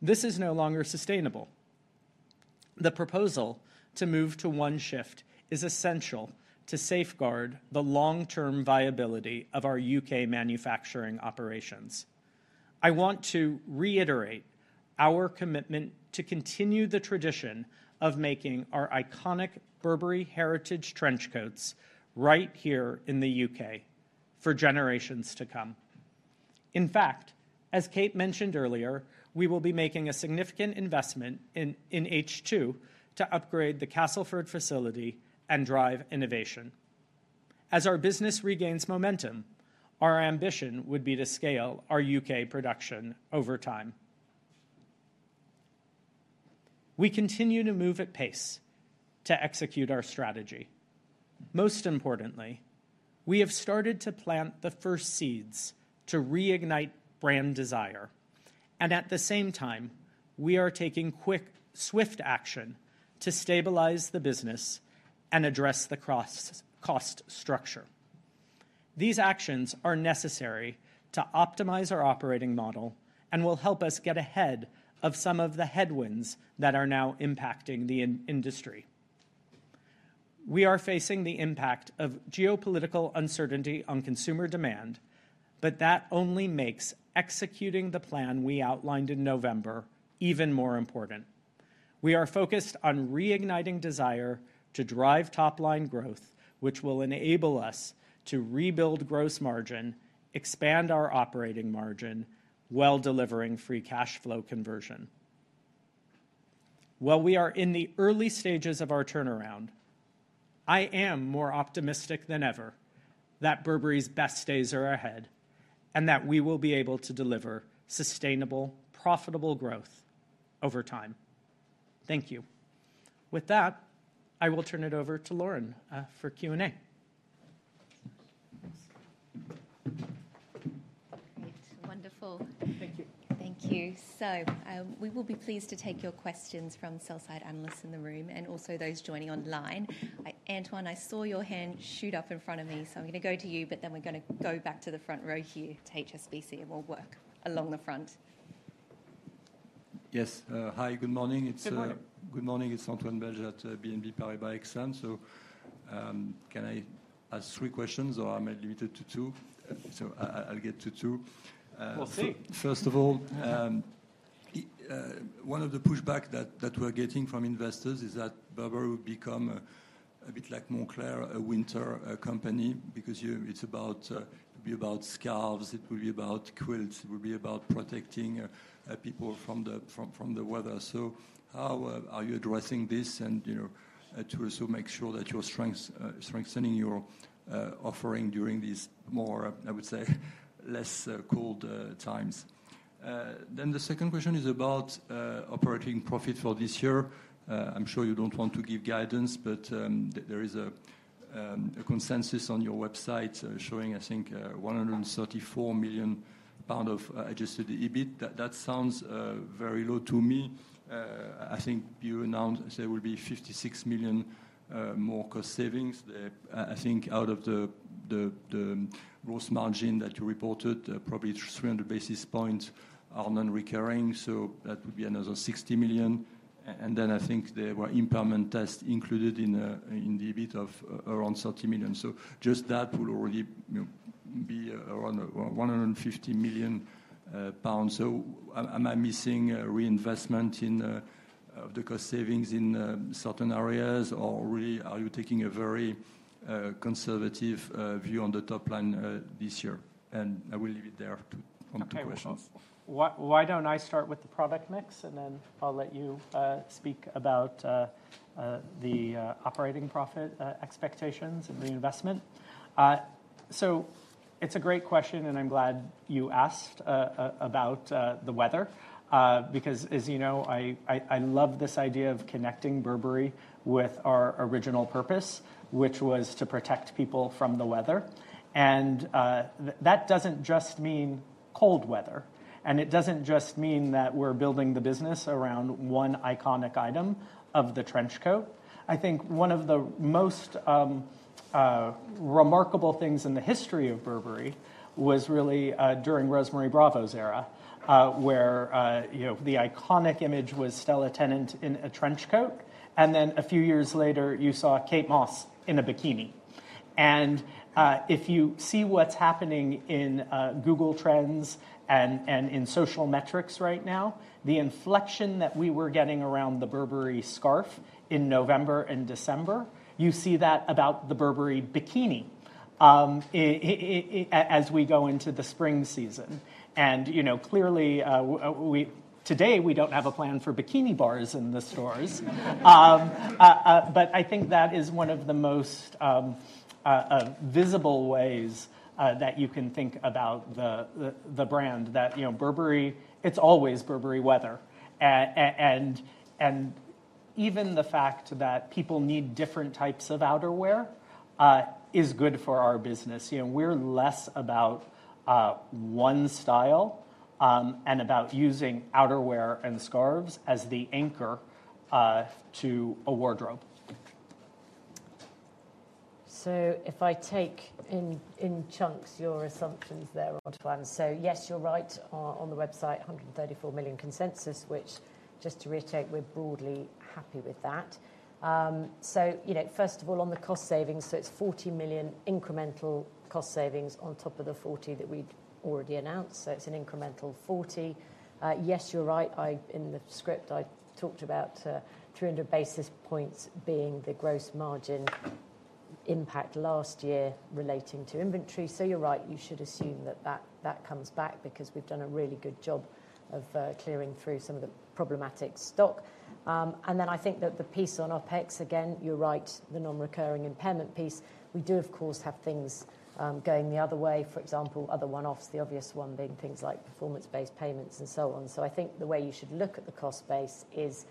This is no longer sustainable. The proposal to move to one shift is essential to safeguard the long-term viability of our U.K. manufacturing operations. I want to reiterate our commitment to continue the tradition of making our iconic Burberry heritage trench coats right here in the U.K. for generations to come. In fact, as Kate mentioned earlier, we will be making a significant investment in H2 to upgrade the Castleford facility and drive innovation. As our business regains momentum, our ambition would be to scale our U.K. production over time. We continue to move at pace to execute our strategy. Most importantly, we have started to plant the first seeds to reignite brand desire. At the same time, we are taking quick, swift action to stabilize the business and address the cost structure. These actions are necessary to optimize our operating model and will help us get ahead of some of the headwinds that are now impacting the industry. We are facing the impact of geopolitical uncertainty on consumer demand, but that only makes executing the plan we outlined in November even more important. We are focused on reigniting desire to drive top-line growth, which will enable us to rebuild gross margin, expand our operating margin, while delivering free cash flow conversion. While we are in the early stages of our turnaround, I am more optimistic than ever that Burberry's best days are ahead and that we will be able to deliver sustainable, profitable growth over time. Thank you. With that, I will turn it over to Lauren for Q&A. Great. Wonderful. Thank you. Thank you. We will be pleased to take your questions from sell-side analysts in the room and also those joining online. Antoine, I saw your hand shoot up in front of me, so I am going to go to you, but then we are going to go back to the front row here to HSBC, and we will work along the front. Yes. Hi, good morning. Good morning. It is Antoine Belge at BNP Paribas Exane. Can I ask three questions, or am I limited to two? I will get to two. We will see. First of all, one of the pushbacks that we're getting from investors is that Burberry will become a bit like Moncler, a winter company, because it's about to be about scarves. It will be about quilts. It will be about protecting people from the weather. How are you addressing this and to also make sure that you're strengthening your offering during these more, I would say, less cold times? The second question is about operating profit for this year. I'm sure you don't want to give guidance, but there is a consensus on your website showing, I think, 134 million pounds of adjusted EBIT. That sounds very low to me. I think you announced there will be 56 million more cost savings. I think out of the gross margin that you reported, probably 300 basis points are non-recurring. That would be another 60 million. I think there were impairment tests included in the EBIT of around 30 million. Just that will already be around 150 million pounds. Am I missing reinvestment of the cost savings in certain areas, or really are you taking a very conservative view on the top line this year? I will leave it there for two questions. Okay. Why do I not start with the product mix, and then I will let you speak about the operating profit expectations and reinvestment? It is a great question, and I am glad you asked about the weather, because, as you know, I love this idea of connecting Burberry with our original purpose, which was to protect people from the weather. That does not just mean cold weather, and it does not just mean that we are building the business around one iconic item of the trench coat. I think one of the most remarkable things in the history of Burberry was really during Rosemary Bravo's era, where the iconic image was Stella Tennant in a trench coat. A few years later, you saw Kate Moss in a bikini. If you see what's happening in Google Trends and in social metrics right now, the inflection that we were getting around the Burberry scarf in November and December, you see that about the Burberry bikini as we go into the spring season. Clearly, today we don't have a plan for bikini bars in the stores. I think that is one of the most visible ways that you can think about the brand that Burberry, it's always Burberry weather. Even the fact that people need different types of outerwear is good for our business. We're less about one style and about using outerwear and scarves as the anchor to a wardrobe. If I take in chunks your assumptions there, Antoine, yes, you're right on the website, 134 million consensus, which, just to reiterate, we're broadly happy with that. First of all, on the cost savings, it's 40 million incremental cost savings on top of the 40 million that we've already announced. It's an incremental 40 million. Yes, you're right. In the script, I talked about 300 basis points being the gross margin impact last year relating to inventory. You're right. You should assume that that comes back because we've done a really good job of clearing through some of the problematic stock. I think that the piece on OpEx, again, you're right, the non-recurring impairment piece. We do, of course, have things going the other way. For example, other one-offs, the obvious one being things like performance-based payments and so on. I think the way you should look at the cost base is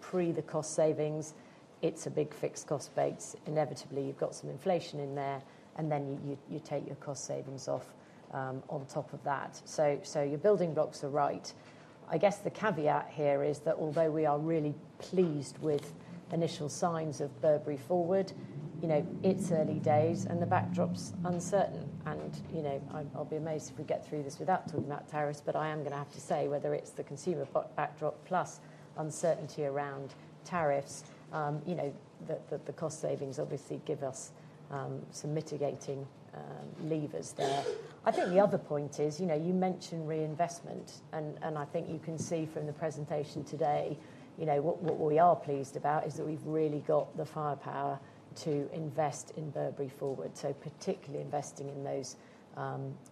pre the cost savings. It is a big fixed cost base. Inevitably, you have got some inflation in there, and then you take your cost savings off on top of that. Your building blocks are right. I guess the caveat here is that although we are really pleased with initial signs of Burberry Forward, it is early days, and the backdrop is uncertain. I will be amazed if we get through this without talking about tariffs, but I am going to have to say whether it is the consumer backdrop plus uncertainty around tariffs, the cost savings obviously give us some mitigating levers there. I think the other point is you mentioned reinvestment, and I think you can see from the presentation today what we are pleased about is that we've really got the firepower to invest in Burberry Forward, so particularly investing in those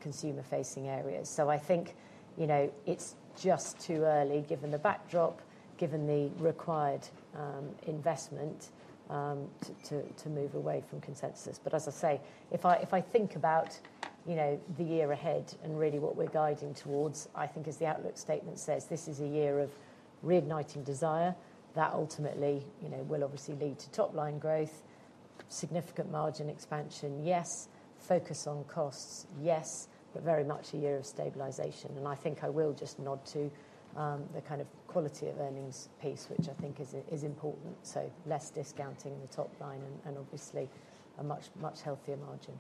consumer-facing areas. I think it's just too early, given the backdrop, given the required investment, to move away from consensus. As I say, if I think about the year ahead and really what we're guiding towards, I think as the outlook statement says, this is a year of reigniting desire that ultimately will obviously lead to top-line growth, significant margin expansion, yes, focus on costs, yes, but very much a year of stabilization. I think I will just nod to the kind of quality of earnings piece, which I think is important. Less discounting the top line and obviously a much healthier margin.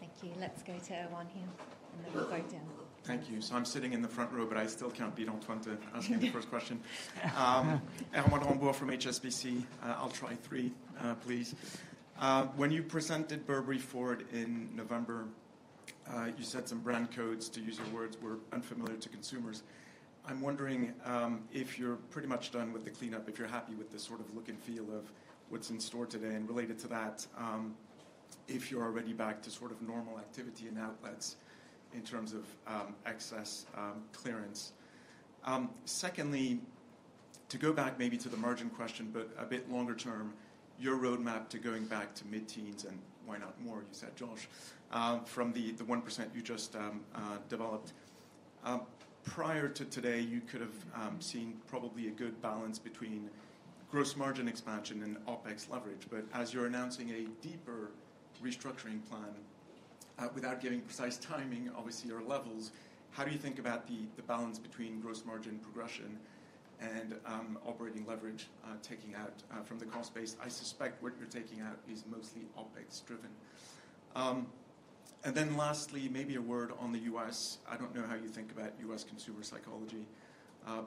Thank you. Let's go to Erwan here, and then we'll go down. Thank you. So I'm sitting in the front row, but I still can't beat Antoine to ask him the first question. Erwan Rombo from HSBC, I'll try three, please. When you presented Burberry Forward in November, you said some brand codes, to use your words, were unfamiliar to consumers. I'm wondering if you're pretty much done with the cleanup, if you're happy with the sort of look and feel of what's in store today. And related to that, if you're already back to sort of normal activity and outlets in terms of excess clearance. Secondly, to go back maybe to the margin question, but a bit longer term, your roadmap to going back to mid-teens and why not more, you said, Josh, from the 1% you just developed. Prior to today, you could have seen probably a good balance between gross margin expansion and OpEx leverage. As you're announcing a deeper restructuring plan without giving precise timing, obviously, or levels, how do you think about the balance between gross margin progression and operating leverage taking out from the cost base? I suspect what you're taking out is mostly OpEx-driven. Lastly, maybe a word on the U.S. I don't know how you think about U.S. consumer psychology.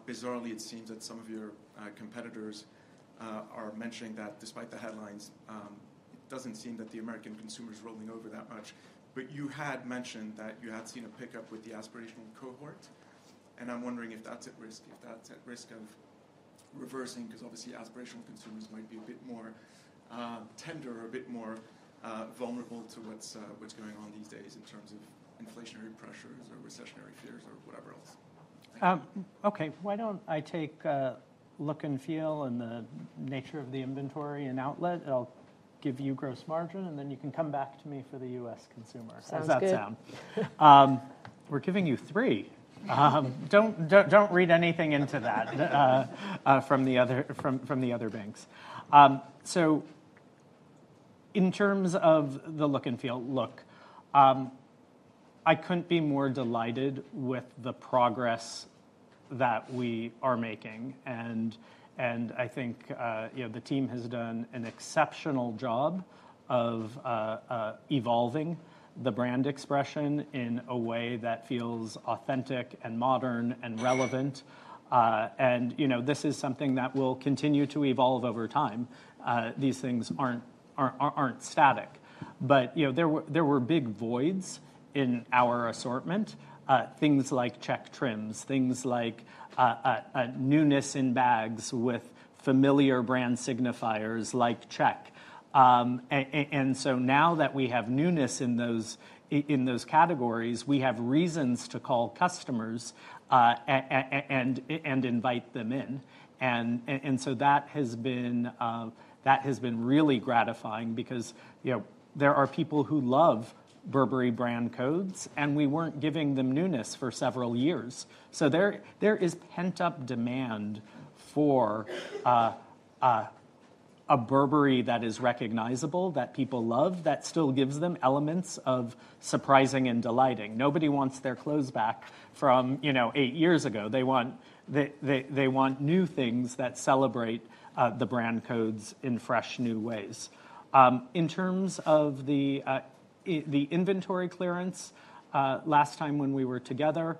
Bizarrely, it seems that some of your competitors are mentioning that despite the headlines, it doesn't seem that the American consumer is rolling over that much. You had mentioned that you had seen a pickup with the aspirational cohort. I'm wondering if that's at risk, if that's at risk of reversing, because obviously aspirational consumers might be a bit more tender or a bit more vulnerable to what's going on these days in terms of inflationary pressures or recessionary fears or whatever else. Okay. Why don't I take look and feel and the nature of the inventory and outlet, and I'll give you gross margin, and then you can come back to me for the U.S. consumer. How does that sound? Sounds good. We're giving you three. Don't read anything into that from the other banks. In terms of the look and feel, look, I couldn't be more delighted with the progress that we are making. I think the team has done an exceptional job of evolving the brand expression in a way that feels authentic and modern and relevant. This is something that will continue to evolve over time. These things are not static. There were big voids in our assortment, things like check trims, things like newness in bags with familiar brand signifiers like check. Now that we have newness in those categories, we have reasons to call customers and invite them in. That has been really gratifying because there are people who love Burberry brand codes, and we were not giving them newness for several years. There is pent-up demand for a Burberry that is recognizable, that people love, that still gives them elements of surprising and delighting. Nobody wants their clothes back from eight years ago. They want new things that celebrate the brand codes in fresh new ways. In terms of the inventory clearance, last time when we were together,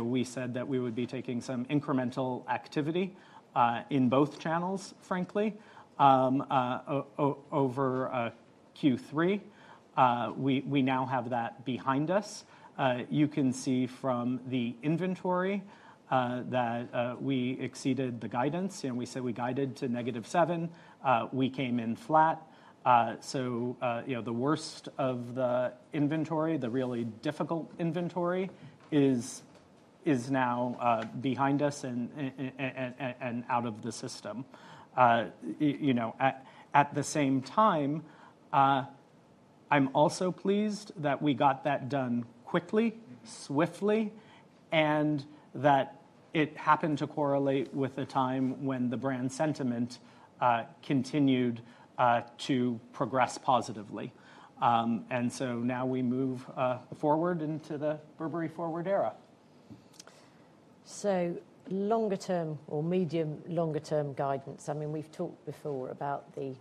we said that we would be taking some incremental activity in both channels, frankly, over Q3. We now have that behind us. You can see from the inventory that we exceeded the guidance. We said we guided to negative 7. We came in flat. The worst of the inventory, the really difficult inventory, is now behind us and out of the system. At the same time, I'm also pleased that we got that done quickly, swiftly, and that it happened to correlate with a time when the brand sentiment continued to progress positively. Now we move forward into the Burberry Forward era. Longer term or medium-longer term guidance. I mean, we've talked before about the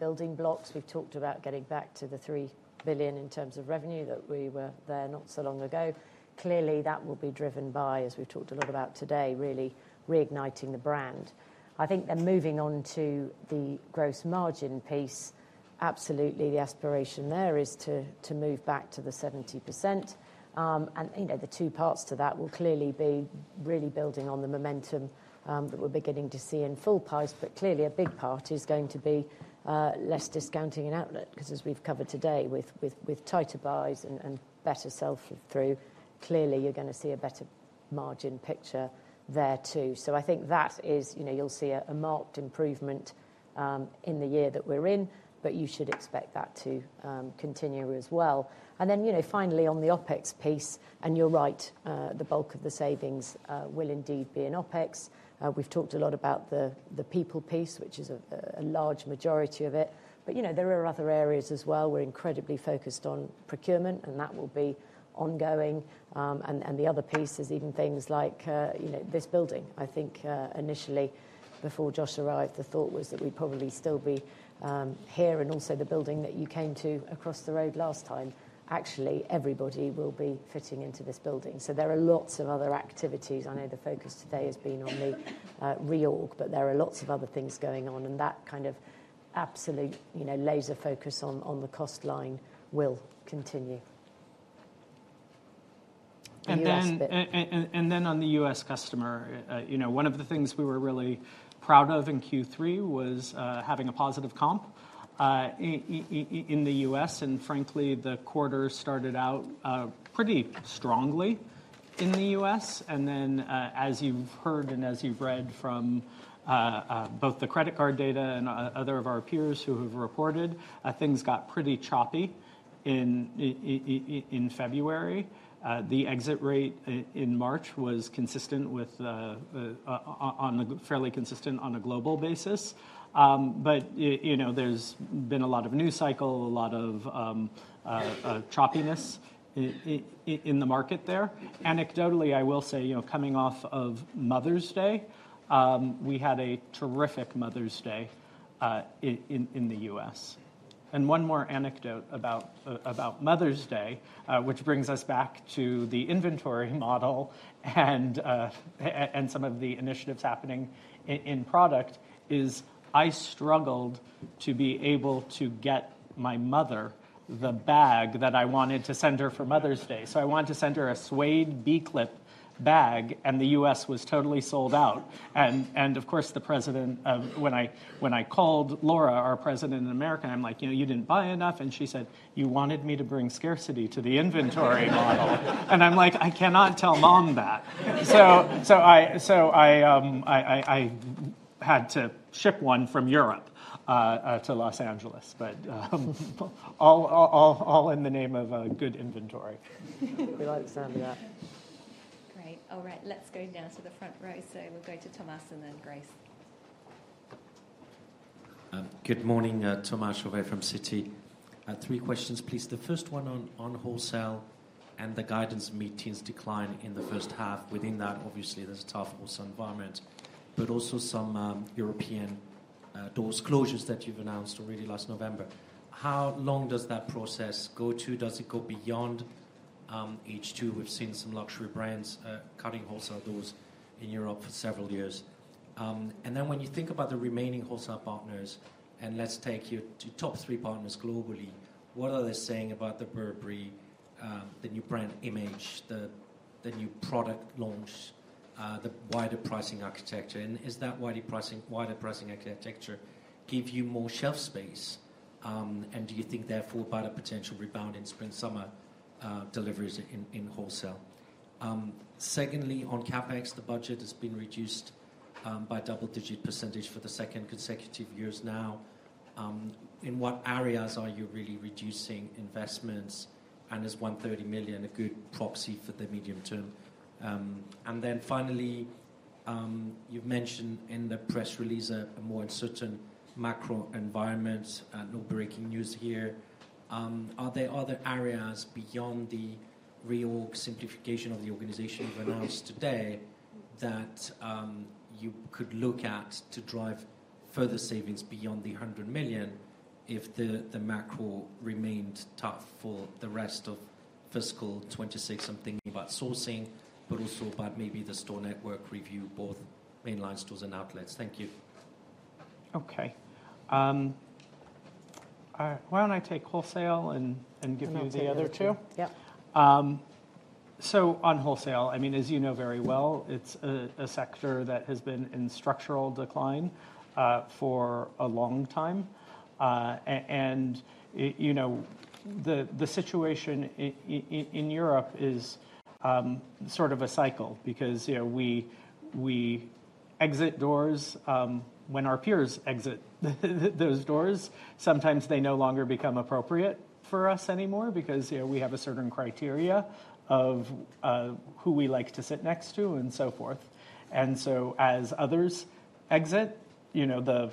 building blocks. We've talked about getting back to the £3 billion in terms of revenue that we were there not so long ago. Clearly, that will be driven by, as we've talked a lot about today, really reigniting the brand. I think they're moving on to the gross margin piece. Absolutely, the aspiration there is to move back to the 70%. The two parts to that will clearly be really building on the momentum that we're beginning to see in full price. Clearly, a big part is going to be less discounting and outlet because, as we've covered today, with tighter buys and better sell-through, clearly, you're going to see a better margin picture there too. I think that is you'll see a marked improvement in the year that we're in, but you should expect that to continue as well. Finally, on the OpEx piece, and you're right, the bulk of the savings will indeed be in OpEx. We've talked a lot about the people piece, which is a large majority of it. There are other areas as well. We're incredibly focused on procurement, and that will be ongoing. The other piece is even things like this building. I think initially, before Josh arrived, the thought was that we'd probably still be here. Also, the building that you came to across the road last time, actually everybody will be fitting into this building. There are lots of other activities. I know the focus today has been on the reorg, but there are lots of other things going on. That kind of absolute laser focus on the cost line will continue. On the U.S. customer, one of the things we were really proud of in Q3 was having a positive comp in the U.S. Frankly, the quarter started out pretty strongly in the U.S. As you have heard and as you have read from both the credit card data and other of our peers who have reported, things got pretty choppy in February. The exit rate in March was fairly consistent on a global basis. There has been a lot of news cycle, a lot of choppiness in the market there. Anecdotally, I will say coming off of Mother's Day, we had a terrific Mother's Day in the U.S. One more anecdote about Mother's Day, which brings us back to the inventory model and some of the initiatives happening in product, is I struggled to be able to get my mother the bag that I wanted to send her for Mother's Day. I wanted to send her a suede B-Clip bag, and the U.S. was totally sold out. Of course, the President, when I called Laura, our President in America, I am like, "You did not buy enough?" She said, "You wanted me to bring scarcity to the inventory model." I am like, "I cannot tell mom that." I had to ship one from Europe to Los Angeles, but all in the name of good inventory. We like sounding that. Great. All right. Let's go down to the front row. We will go to Tomas and then Grace. Good morning, Thomas from Citi. Three questions, please. The first one on wholesale and the guidance meetings decline in the first half. Within that, obviously, there's a tough also environment, but also some European doors closures that you've announced already last November. How long does that process go to? Does it go beyond H2? We've seen some luxury brands cutting wholesale doors in Europe for several years. When you think about the remaining wholesale partners, and let's take you to top three partners globally, what are they saying about the Burberry, the new brand image, the new product launch, the wider pricing architecture? Is that wider pricing architecture give you more shelf space? Do you think therefore about a potential rebound in spring-summer deliveries in wholesale? Secondly, on CapEx, the budget has been reduced by double-digit % for the second consecutive years now. In what areas are you really reducing investments? Is 130 million a good proxy for the medium term? Finally, you've mentioned in the press release a more uncertain macro environment, no breaking news here. Are there other areas beyond the reorg simplification of the organization you've announced today that you could look at to drive further savings beyond the 100 million if the macro remained tough for the rest of fiscal 2026? I'm thinking about sourcing, but also about maybe the store network review, both mainline stores and outlets. Thank you. Okay. Why don't I take wholesale and give you the other two? On wholesale, as you know very well, it's a sector that has been in structural decline for a long time. The situation in Europe is sort of a cycle because we exit doors when our peers exit those doors. Sometimes they no longer become appropriate for us anymore because we have a certain criteria of who we like to sit next to and so forth. As others exit, the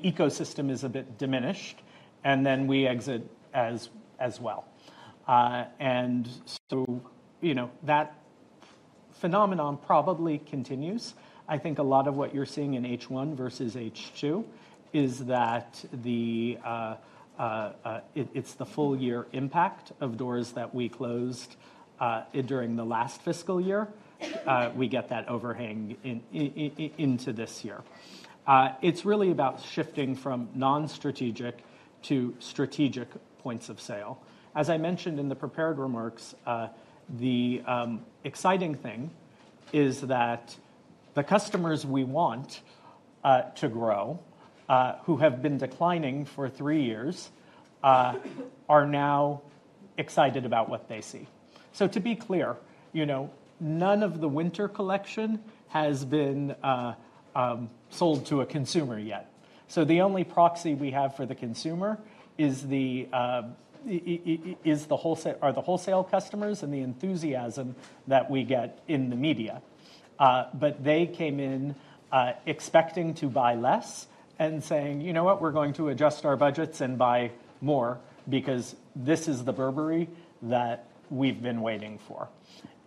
ecosystem is a bit diminished, and then we exit as well. That phenomenon probably continues. I think a lot of what you are seeing in H1 versus H2 is that it is the full year impact of doors that we closed during the last fiscal year. We get that overhang into this year. It is really about shifting from non-strategic to strategic points of sale. As I mentioned in the prepared remarks, the exciting thing is that the customers we want to grow, who have been declining for three years, are now excited about what they see. To be clear, none of the winter collection has been sold to a consumer yet. The only proxy we have for the consumer are the wholesale customers and the enthusiasm that we get in the media. They came in expecting to buy less and saying, "You know what? We're going to adjust our budgets and buy more because this is the Burberry that we've been waiting for."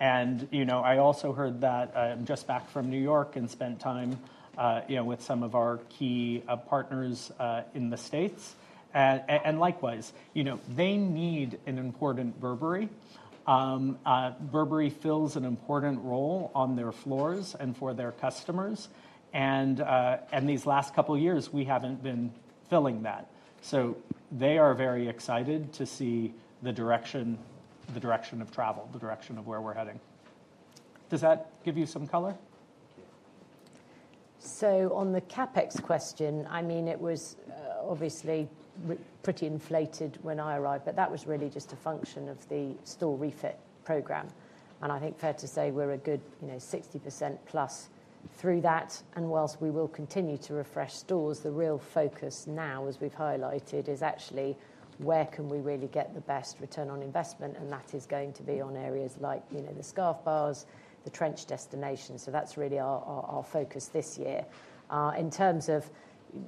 I also heard that. I'm just back from New York and spent time with some of our key partners in the States. Likewise, they need an important Burberry. Burberry fills an important role on their floors and for their customers. These last couple of years, we haven't been filling that. They are very excited to see the direction of travel, the direction of where we're heading. Does that give you some color? On the CapEx question, I mean, it was obviously pretty inflated when I arrived, but that was really just a function of the store refit program. I think fair to say we're a good 60% plus through that. Whilst we will continue to refresh stores, the real focus now, as we've highlighted, is actually where can we really get the best return on investment? That is going to be on areas like the scarf bars, the trench destinations. That's really our focus this year. In terms of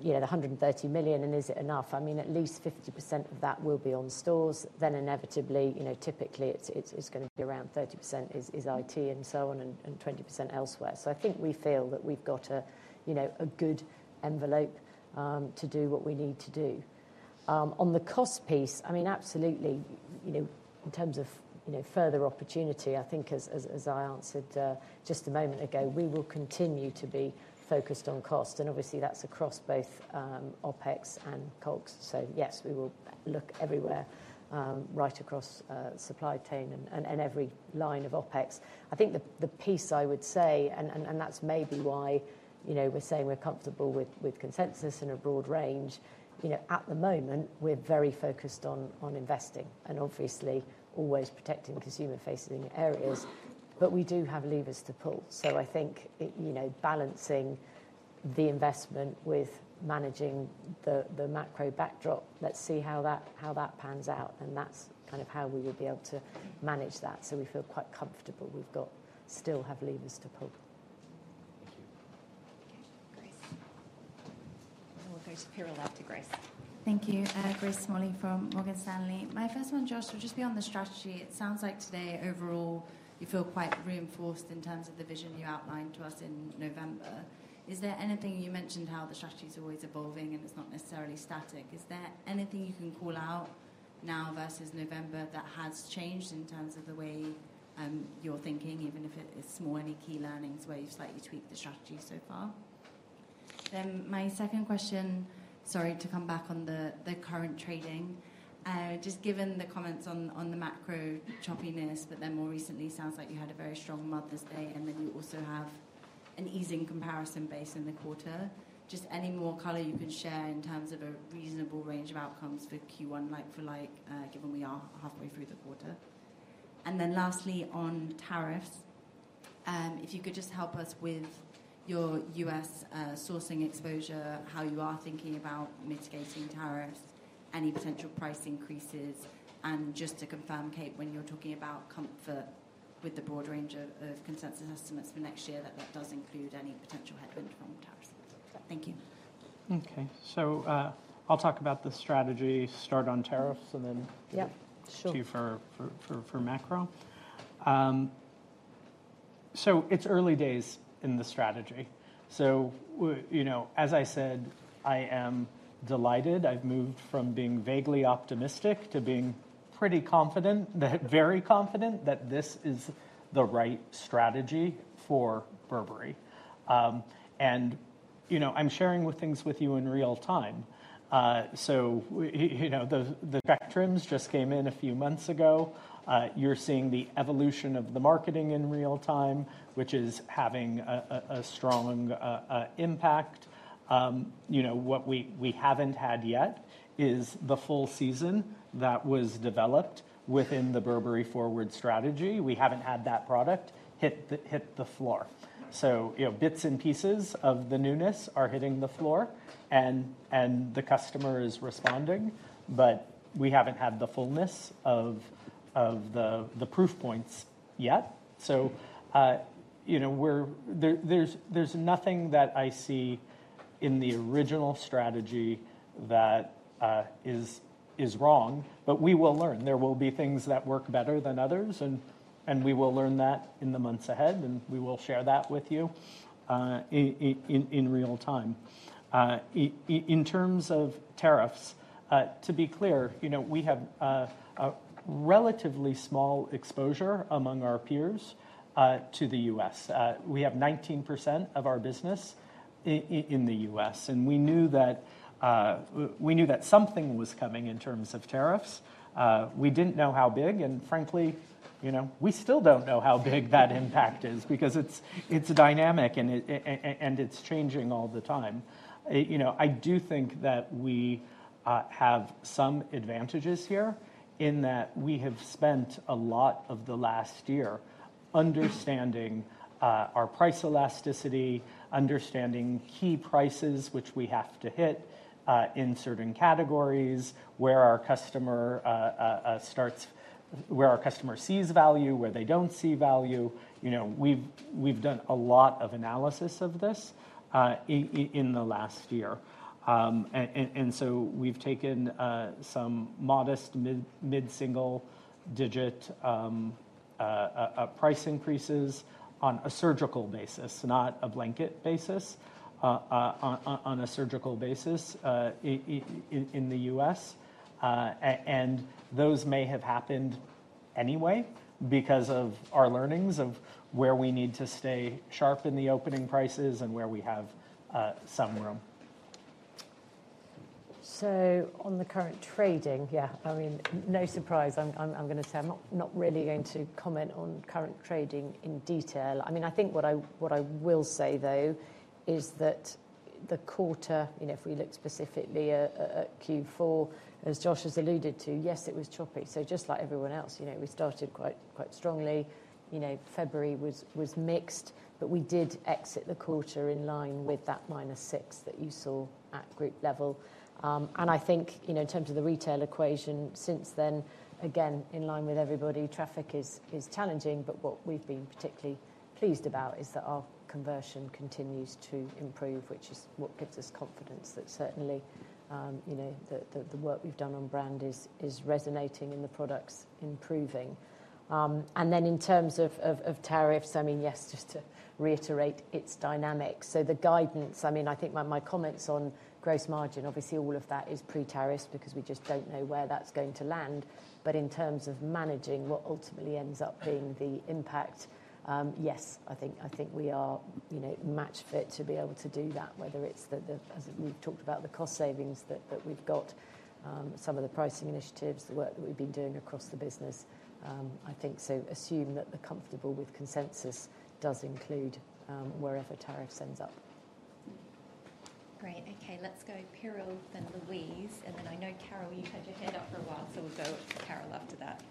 the 130 million, and is it enough? I mean, at least 50% of that will be on stores. Inevitably, typically, it's going to be around 30% is IT and so on and 20% elsewhere. I think we feel that we've got a good envelope to do what we need to do. On the cost piece, I mean, absolutely, in terms of further opportunity, I think as I answered just a moment ago, we will continue to be focused on cost. Obviously, that's across both OpEx and COGS. Yes, we will look everywhere right across supply chain and every line of OpEx. I think the piece I would say, and that's maybe why we're saying we're comfortable with consensus and a broad range. At the moment, we're very focused on investing and obviously always protecting consumer-facing areas. We do have levers to pull. I think balancing the investment with managing the macro backdrop, let's see how that pans out. That's kind of how we would be able to manage that. We feel quite comfortable. We still have levers to pull. Thank you. Okay. Great. We'll go to Piral after Grace. Thank you. Grace Smalley from Morgan Stanley. My first one, Josh, would just be on the strategy. It sounds like today, overall, you feel quite reinforced in terms of the vision you outlined to us in November. Is there anything you mentioned how the strategy is always evolving and it's not necessarily static? Is there anything you can call out now versus November that has changed in terms of the way you're thinking, even if it's small, any key learnings where you've slightly tweaked the strategy so far? Then my second question, sorry, to come back on the current trading. Just given the comments on the macro choppiness, but then more recently, it sounds like you had a very strong Mother's Day, and then you also have an easing comparison base in the quarter. Just any more color you can share in terms of a reasonable range of outcomes for Q1, like for like, given we are halfway through the quarter. Lastly, on tariffs, if you could just help us with your U.S. sourcing exposure, how you are thinking about mitigating tariffs, any potential price increases. Just to confirm, Kate, when you're talking about comfort with the broad range of consensus estimates for next year, that does include any potential headwind from tariffs. Thank you. Okay. I'll talk about the strategy, start on tariffs, and then to you for macro. It's early days in the strategy. As I said, I am delighted. I've moved from being vaguely optimistic to being pretty confident, very confident that this is the right strategy for Burberry. I'm sharing things with you in real time. The spectrums just came in a few months ago. You're seeing the evolution of the marketing in real time, which is having a strong impact. What we haven't had yet is the full season that was developed within the Burberry Forward strategy. We haven't had that product hit the floor. Bits and pieces of the newness are hitting the floor, and the customer is responding, but we haven't had the fullness of the proof points yet. There's nothing that I see in the original strategy that is wrong, but we will learn. There will be things that work better than others, and we will learn that in the months ahead, and we will share that with you in real time. In terms of tariffs, to be clear, we have a relatively small exposure among our peers to the U.S.. We have 19% of our business in the U.S. We knew that something was coming in terms of tariffs. We did not know how big. Frankly, we still do not know how big that impact is because it is a dynamic, and it is changing all the time. I do think that we have some advantages here in that we have spent a lot of the last year understanding our price elasticity, understanding key prices which we have to hit in certain categories, where our customer sees value, where they do not see value. We have done a lot of analysis of this in the last year. We have taken some modest mid-single-digit price increases on a surgical basis, not a blanket basis, on a surgical basis in the U.S. Those may have happened anyway because of our learnings of where we need to stay sharp in the opening prices and where we have some room. On the current trading, yeah, I mean, no surprise. I'm going to say I'm not really going to comment on current trading in detail. I mean, I think what I will say, though, is that the quarter, if we look specifically at Q4, as Josh has alluded to, yes, it was choppy. Just like everyone else, we started quite strongly. February was mixed, but we did exit the quarter in line with that minus 6% that you saw at group level. I think in terms of the retail equation since then, again, in line with everybody, traffic is challenging. What we've been particularly pleased about is that our conversion continues to improve, which is what gives us confidence that certainly the work we've done on brand is resonating and the products improving. In terms of tariffs, I mean, yes, just to reiterate, it's dynamic. The guidance, I mean, I think my comments on gross margin, obviously all of that is pre-tariffs because we just do not know where that's going to land. In terms of managing what ultimately ends up being the impact, yes, I think we are matched to be able to do that, whether it's the, as we've talked about, the cost savings that we've got, some of the pricing initiatives, the work that we've been doing across the business. I think to assume that the comfortable with consensus does include wherever tariffs ends up. Great. Okay. Let's go Piral, then Louise. I know Carole, you've had your hand up for a while, so we'll go to Carole after that.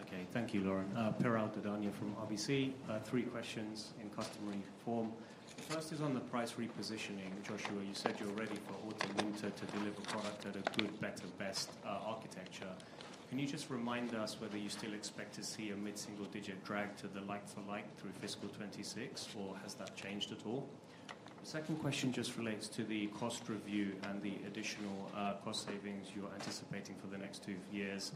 Okay. Thank you, Lauren. Piral Dadhania from RBC. Three questions in customary form. The first is on the price repositioning. Joshua, you said you're ready for autumn, winter to deliver product at a good, better, best architecture. Can you just remind us whether you still expect to see a mid-single-digit drag to the like-for-like through fiscal 2026, or has that changed at all? The second question just relates to the cost review and the additional cost savings you're anticipating for the next two years.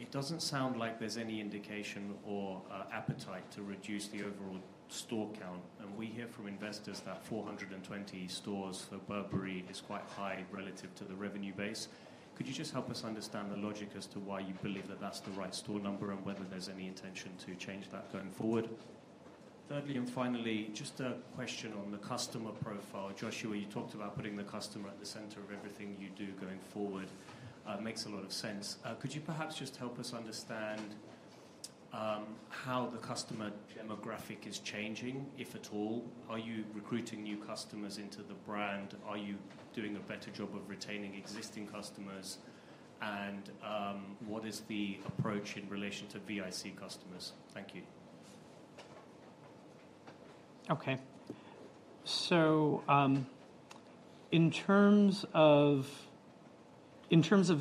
It doesn't sound like there's any indication or appetite to reduce the overall store count. We hear from investors that 420 stores for Burberry is quite high relative to the revenue base. Could you just help us understand the logic as to why you believe that that's the right store number and whether there's any intention to change that going forward? Thirdly and finally, just a question on the customer profile. Joshua, you talked about putting the customer at the center of everything you do going forward. It makes a lot of sense. Could you perhaps just help us understand how the customer demographic is changing, if at all? Are you recruiting new customers into the brand? Are you doing a better job of retaining existing customers? What is the approach in relation to VIC customers? Thank you. Okay. In terms of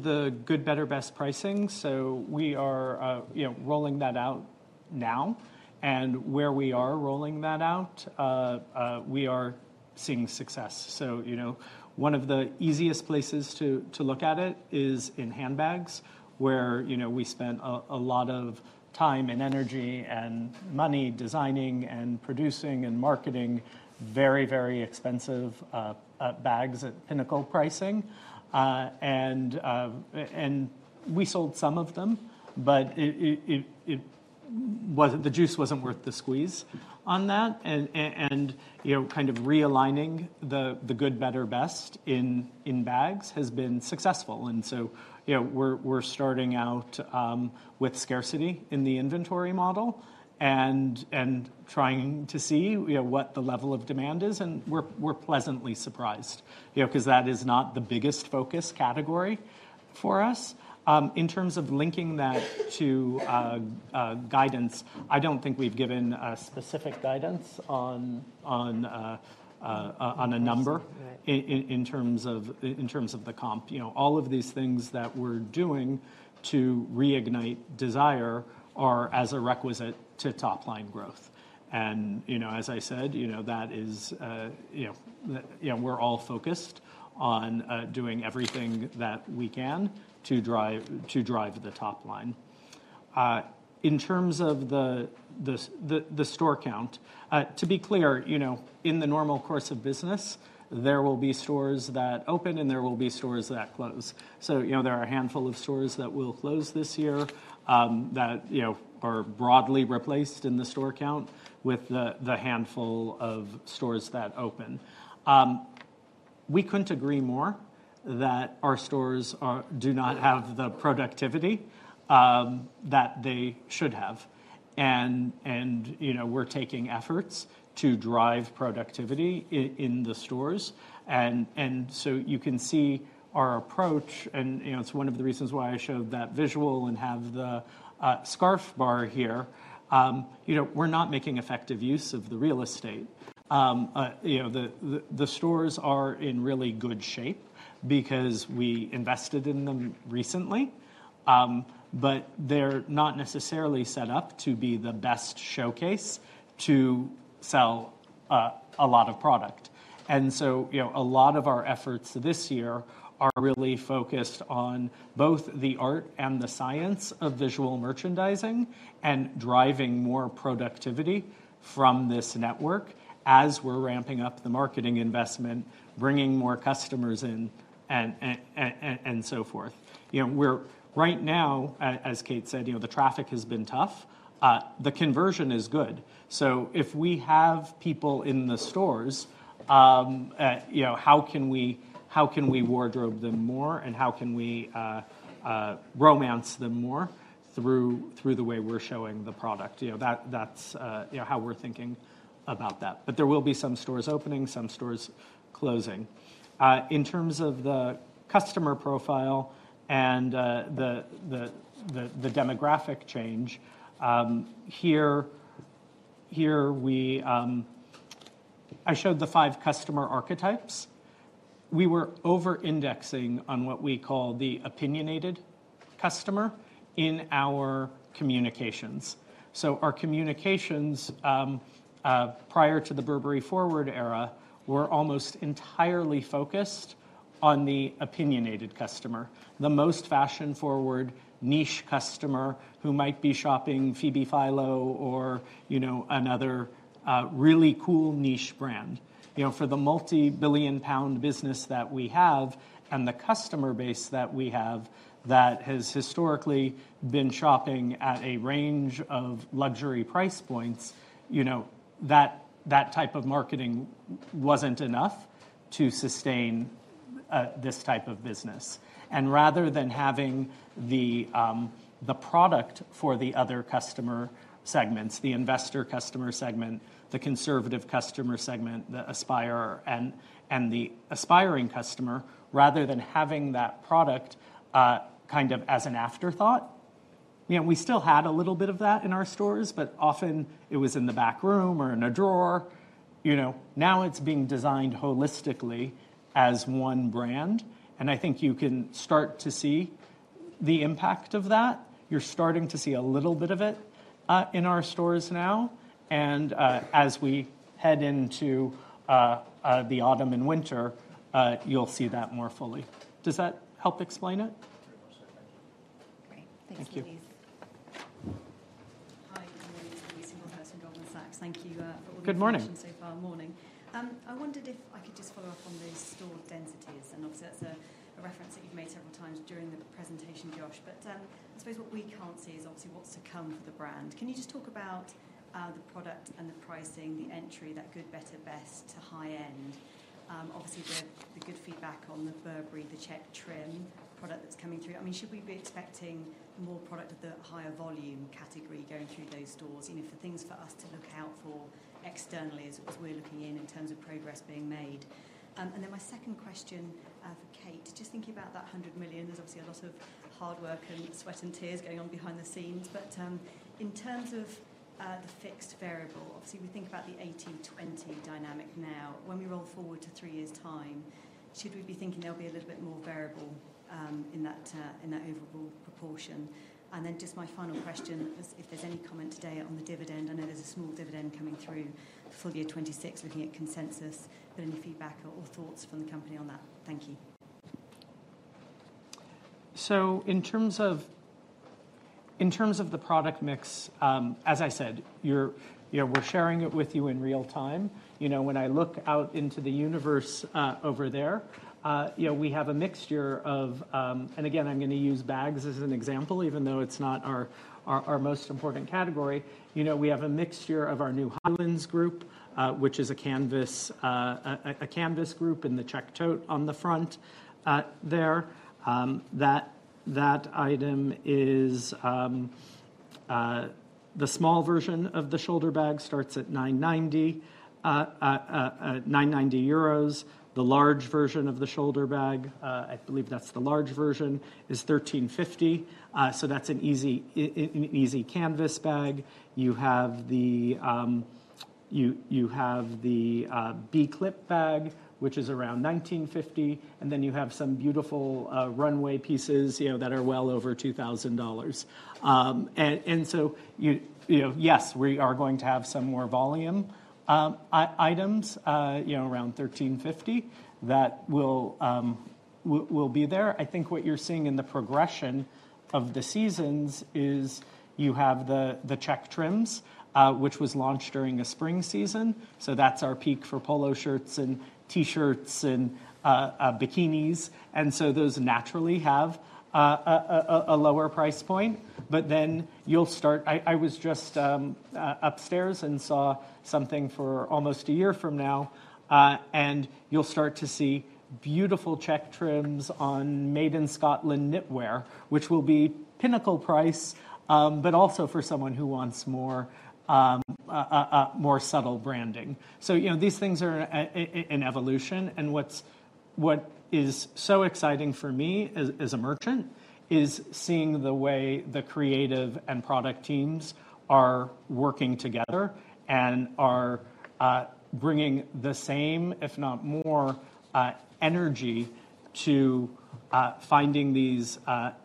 the good, better, best pricing, we are rolling that out now. Where we are rolling that out, we are seeing success. One of the easiest places to look at it is in handbags, where we spent a lot of time and energy and money designing and producing and marketing very, very expensive bags at pinnacle pricing. We sold some of them, but the juice was not worth the squeeze on that. Kind of realigning the good, better, best in bags has been successful. We are starting out with scarcity in the inventory model and trying to see what the level of demand is. We are pleasantly surprised because that is not the biggest focus category for us. In terms of linking that to guidance, I do not think we have given a specific guidance on a number in terms of the comp. All of these things that we are doing to reignite desire are as a requisite to top-line growth. As I said, that is we're all focused on doing everything that we can to drive the top line. In terms of the store count, to be clear, in the normal course of business, there will be stores that open, and there will be stores that close. There are a handful of stores that will close this year that are broadly replaced in the store count with the handful of stores that open. We could not agree more that our stores do not have the productivity that they should have. We are taking efforts to drive productivity in the stores. You can see our approach, and it is one of the reasons why I showed that visual and have the scarf bar here. We are not making effective use of the real estate. The stores are in really good shape because we invested in them recently, but they're not necessarily set up to be the best showcase to sell a lot of product. A lot of our efforts this year are really focused on both the art and the science of visual merchandising and driving more productivity from this network as we're ramping up the marketing investment, bringing more customers in, and so forth. Right now, as Kate said, the traffic has been tough. The conversion is good. If we have people in the stores, how can we wardrobe them more, and how can we romance them more through the way we're showing the product? That's how we're thinking about that. There will be some stores opening, some stores closing. In terms of the customer profile and the demographic change, here I showed the five customer archetypes. We were over-indexing on what we call the opinionated customer in our communications. Our communications prior to the Burberry Forward era were almost entirely focused on the opinionated customer, the most fashion-forward niche customer who might be shopping Phoebe Philo or another really cool niche brand. For the multi-billion-pound business that we have and the customer base that we have that has historically been shopping at a range of luxury price points, that type of marketing was not enough to sustain this type of business. Rather than having the product for the other customer segments, the investor customer segment, the conservative customer segment, the aspirer, and the aspiring customer, rather than having that product kind of as an afterthought, we still had a little bit of that in our stores, but often it was in the back room or in a drawer. Now it's being designed holistically as one brand. I think you can start to see the impact of that. You're starting to see a little bit of it in our stores now. As we head into the autumn and winter, you'll see that more fully. Does that help explain it? Very much so. Thank you. Great. Hi. I'm Louise Singlehurst from Goldman Sachs. Thank you for all the information so far. Morning. Good morning. I wondered if I could just follow up on those store densities. Obviously, that's a reference that you've made several times during the presentation, Josh. I suppose what we can't see is obviously what's to come for the brand. Can you just talk about the product and the pricing, the entry, that good, better, best to high-end? Obviously, the good feedback on the Burberry, the check trim product that's coming through. I mean, should we be expecting more product of the higher volume category going through those stores? For things for us to look out for externally as we're looking in in terms of progress being made. My second question for Kate, just thinking about that 100 million, there's obviously a lot of hard work and sweat and tears going on behind the scenes. In terms of the fixed variable, obviously, we think about the 18-20 dynamic now. When we roll forward to three years' time, should we be thinking there'll be a little bit more variable in that overall proportion? Just my final question, if there's any comment today on the dividend, I know there's a small dividend coming through for year 2026, looking at consensus. Any feedback or thoughts from the company on that? Thank you. In terms of the product mix, as I said, we're sharing it with you in real time. When I look out into the universe over there, we have a mixture of, and again, I'm going to use bags as an example, even though it's not our most important category. We have a mixture of our new Highlands group, which is a canvas group in the checked tote on the front there. That item is the small version of the shoulder bag, starts at 990 euros. The large version of the shoulder bag, I believe that's the large version, is 1,350. That's an easy canvas bag. You have the B-Clip bag, which is around 1,950. Then you have some beautiful runway pieces that are well over $2,000. Yes, we are going to have some more volume items around 1,350 that will be there. I think what you're seeing in the progression of the seasons is you have the check trim products, which was launched during the spring season. That is our peak for polo shirts and T-shirts and bikinis. Those naturally have a lower price point. You'll start, I was just upstairs and saw something for almost a year from now. You'll start to see beautiful check trim products on Made in Scotland knitwear, which will be pinnacle price, but also for someone who wants more subtle branding. These things are in evolution. What is so exciting for me as a merchant is seeing the way the creative and product teams are working together and are bringing the same, if not more, energy to finding these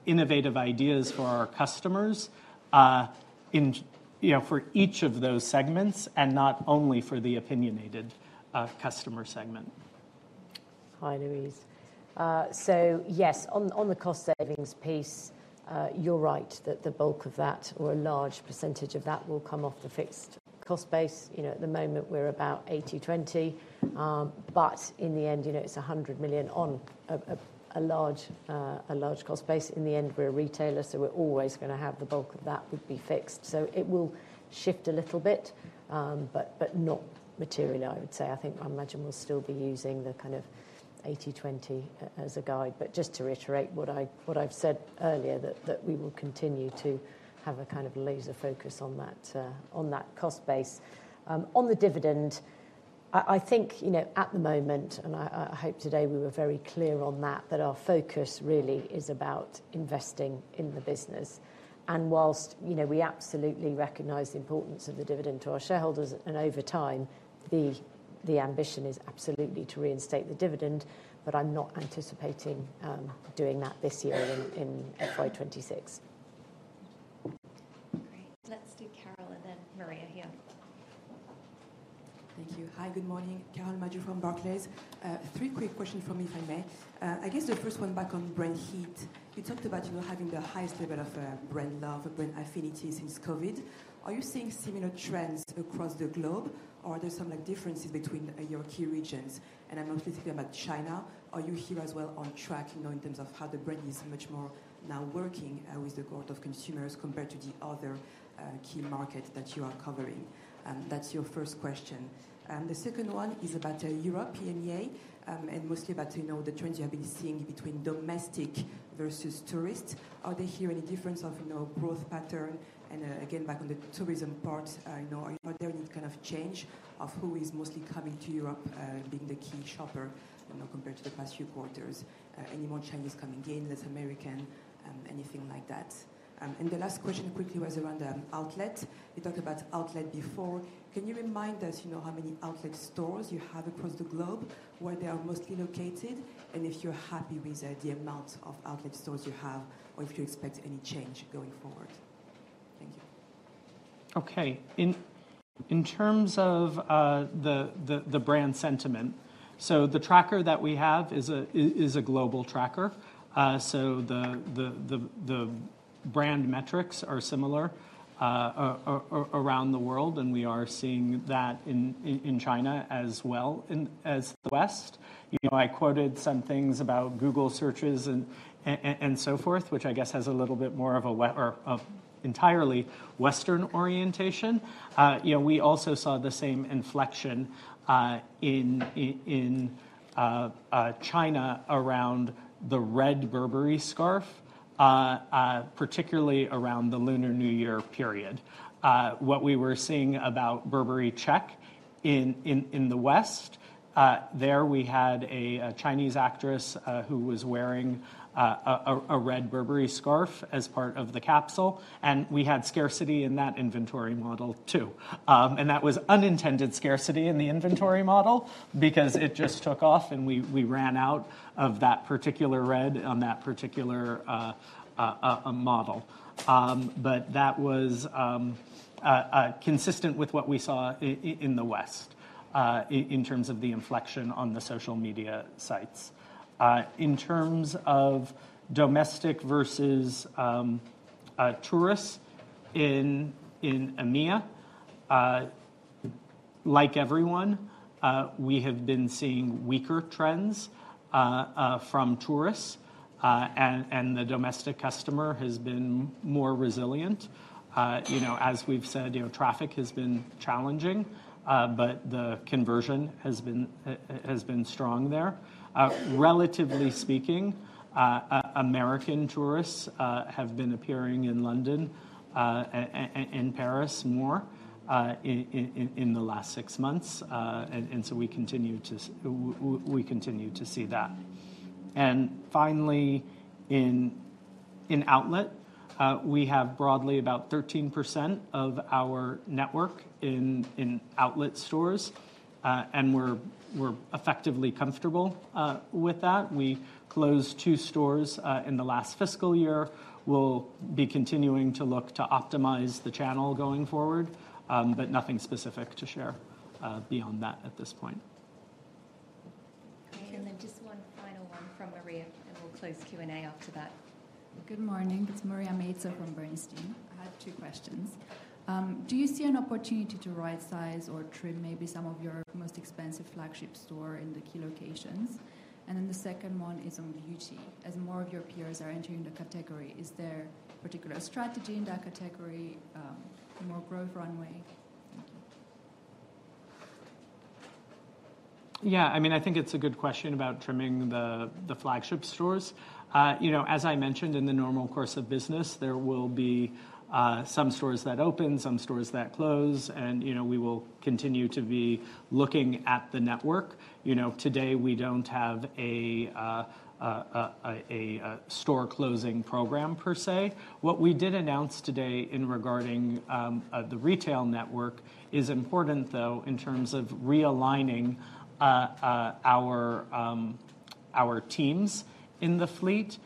innovative ideas for our customers for each of those segments and not only for the opinionated customer segment. Hi, Louise. Yes, on the cost savings piece, you're right that the bulk of that, or a large percentage of that, will come off the fixed cost base. At the moment, we're about 1,820. In the end, it's 100 million on a large cost base. In the end, we're a retailer, so we're always going to have the bulk of that would be fixed. It will shift a little bit, but not materially, I would say. I think I imagine we'll still be using the kind of 1,820 as a guide. Just to reiterate what I have said earlier, we will continue to have a kind of laser focus on that cost base. On the dividend, I think at the moment, and I hope today we were very clear on that, our focus really is about investing in the business. Whilst we absolutely recognize the importance of the dividend to our shareholders, and over time, the ambition is absolutely to reinstate the dividend, I am not anticipating doing that this year in FY 2026. Great. Let's do Carole and then Maria here. Thank you. Hi, good morning. Carole Madjo from Barclays. Three quick questions for me, if I may. I guess the first one back on brand heat. You talked about having the highest level of brand love, brand affinity since COVID. Are you seeing similar trends across the globe, or are there some differences between your key regions? I'm mostly thinking about China. Are you here as well on track in terms of how the brand is much more now working with the core of consumers compared to the other key markets that you are covering? That's your first question. The second one is about Europe, EMEA, and mostly about the trends you have been seeing between domestic versus tourist. Are there here any difference of growth pattern? Again, back on the tourism part, are there any kind of change of who is mostly coming to Europe being the key shopper compared to the past few quarters? Any more Chinese coming in, less American, anything like that? The last question quickly was around outlets. You talked about outlet before. Can you remind us how many outlet stores you have across the globe, where they are mostly located, and if you're happy with the amount of outlet stores you have, or if you expect any change going forward? Thank you. Okay. In terms of the brand sentiment, the tracker that we have is a global tracker. The brand metrics are similar around the world, and we are seeing that in China as well as the West. I quoted some things about Google searches and so forth, which I guess has a little bit more of an entirely Western orientation. We also saw the same inflection in China around the red Burberry scarf, particularly around the Lunar New Year period. What we were seeing about Burberry check in the West, there we had a Chinese actress who was wearing a red Burberry scarf as part of the capsule. We had scarcity in that inventory model too. That was unintended scarcity in the inventory model because it just took off, and we ran out of that particular red on that particular model. That was consistent with what we saw in the West in terms of the inflection on the social media sites. In terms of domestic versus tourists in EMEA, like everyone, we have been seeing weaker trends from tourists, and the domestic customer has been more resilient. As we have said, traffic has been challenging, but the conversion has been strong there. Relatively speaking, American tourists have been appearing in London and in Paris more in the last six months. We continue to see that. Finally, in outlet, we have broadly about 13% of our network in outlet stores, and we are effectively comfortable with that. We closed two stores in the last fiscal year. We'll be continuing to look to optimize the channel going forward, but nothing specific to share beyond that at this point. Okay. And then just one final one from Maria, and we'll close Q&A after that. Good morning. It's Maria Meita from Bernstein. I had two questions. Do you see an opportunity to right-size or trim maybe some of your most expensive flagship store in the key locations? And then the second one is on beauty. As more of your peers are entering the category, is there a particular strategy in that category, more growth runway? Thank you. Yeah. I mean, I think it's a good question about trimming the flagship stores. As I mentioned, in the normal course of business, there will be some stores that open, some stores that close, and we will continue to be looking at the network. Today, we do not have a store closing program per se. What we did announce today regarding the retail network is important, though, in terms of realigning our teams in the fleet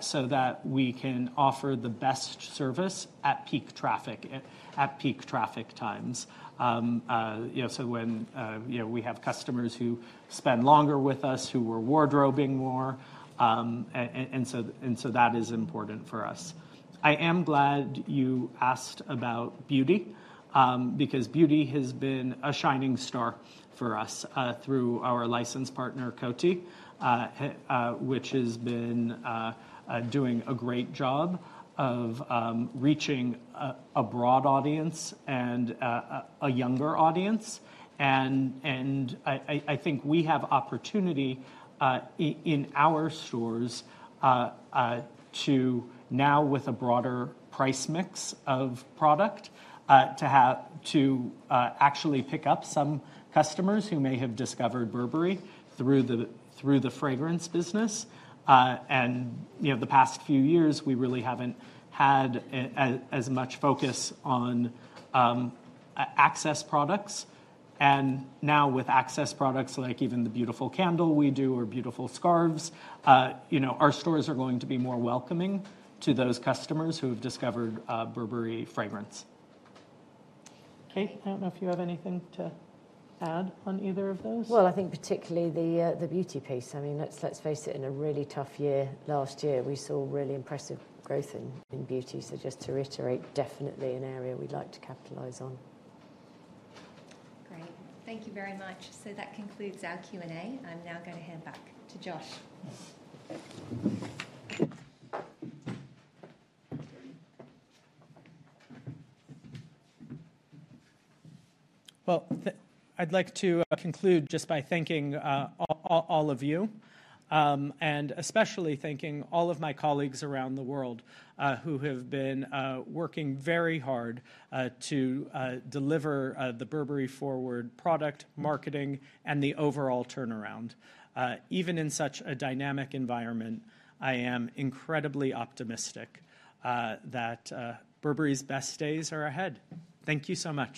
so that we can offer the best service at peak traffic times. When we have customers who spend longer with us, who are wardrobing more, that is important for us. I am glad you asked about beauty because beauty has been a shining star for us through our licensed partner, Coty, which has been doing a great job of reaching a broad audience and a younger audience. I think we have opportunity in our stores to now, with a broader price mix of product, to actually pick up some customers who may have discovered Burberry through the fragrance business. In the past few years, we really have not had as much focus on access products. Now, with access products like even the beautiful candle we do or beautiful scarves, our stores are going to be more welcoming to those customers who have discovered Burberry fragrance. Kate, I do not know if you have anything to add on either of those. I think particularly the beauty piece. I mean, let's face it, in a really tough year last year, we saw really impressive growth in beauty. Just to reiterate, definitely an area we would like to capitalize on. Great. Thank you very much. That concludes our Q&A. I am now going to hand back to Josh. I would like to conclude just by thanking all of you, and especially thanking all of my colleagues around the world who have been working very hard to deliver the Burberry Forward product marketing and the overall turnaround. Even in such a dynamic environment, I am incredibly optimistic that Burberry's best days are ahead. Thank you so much.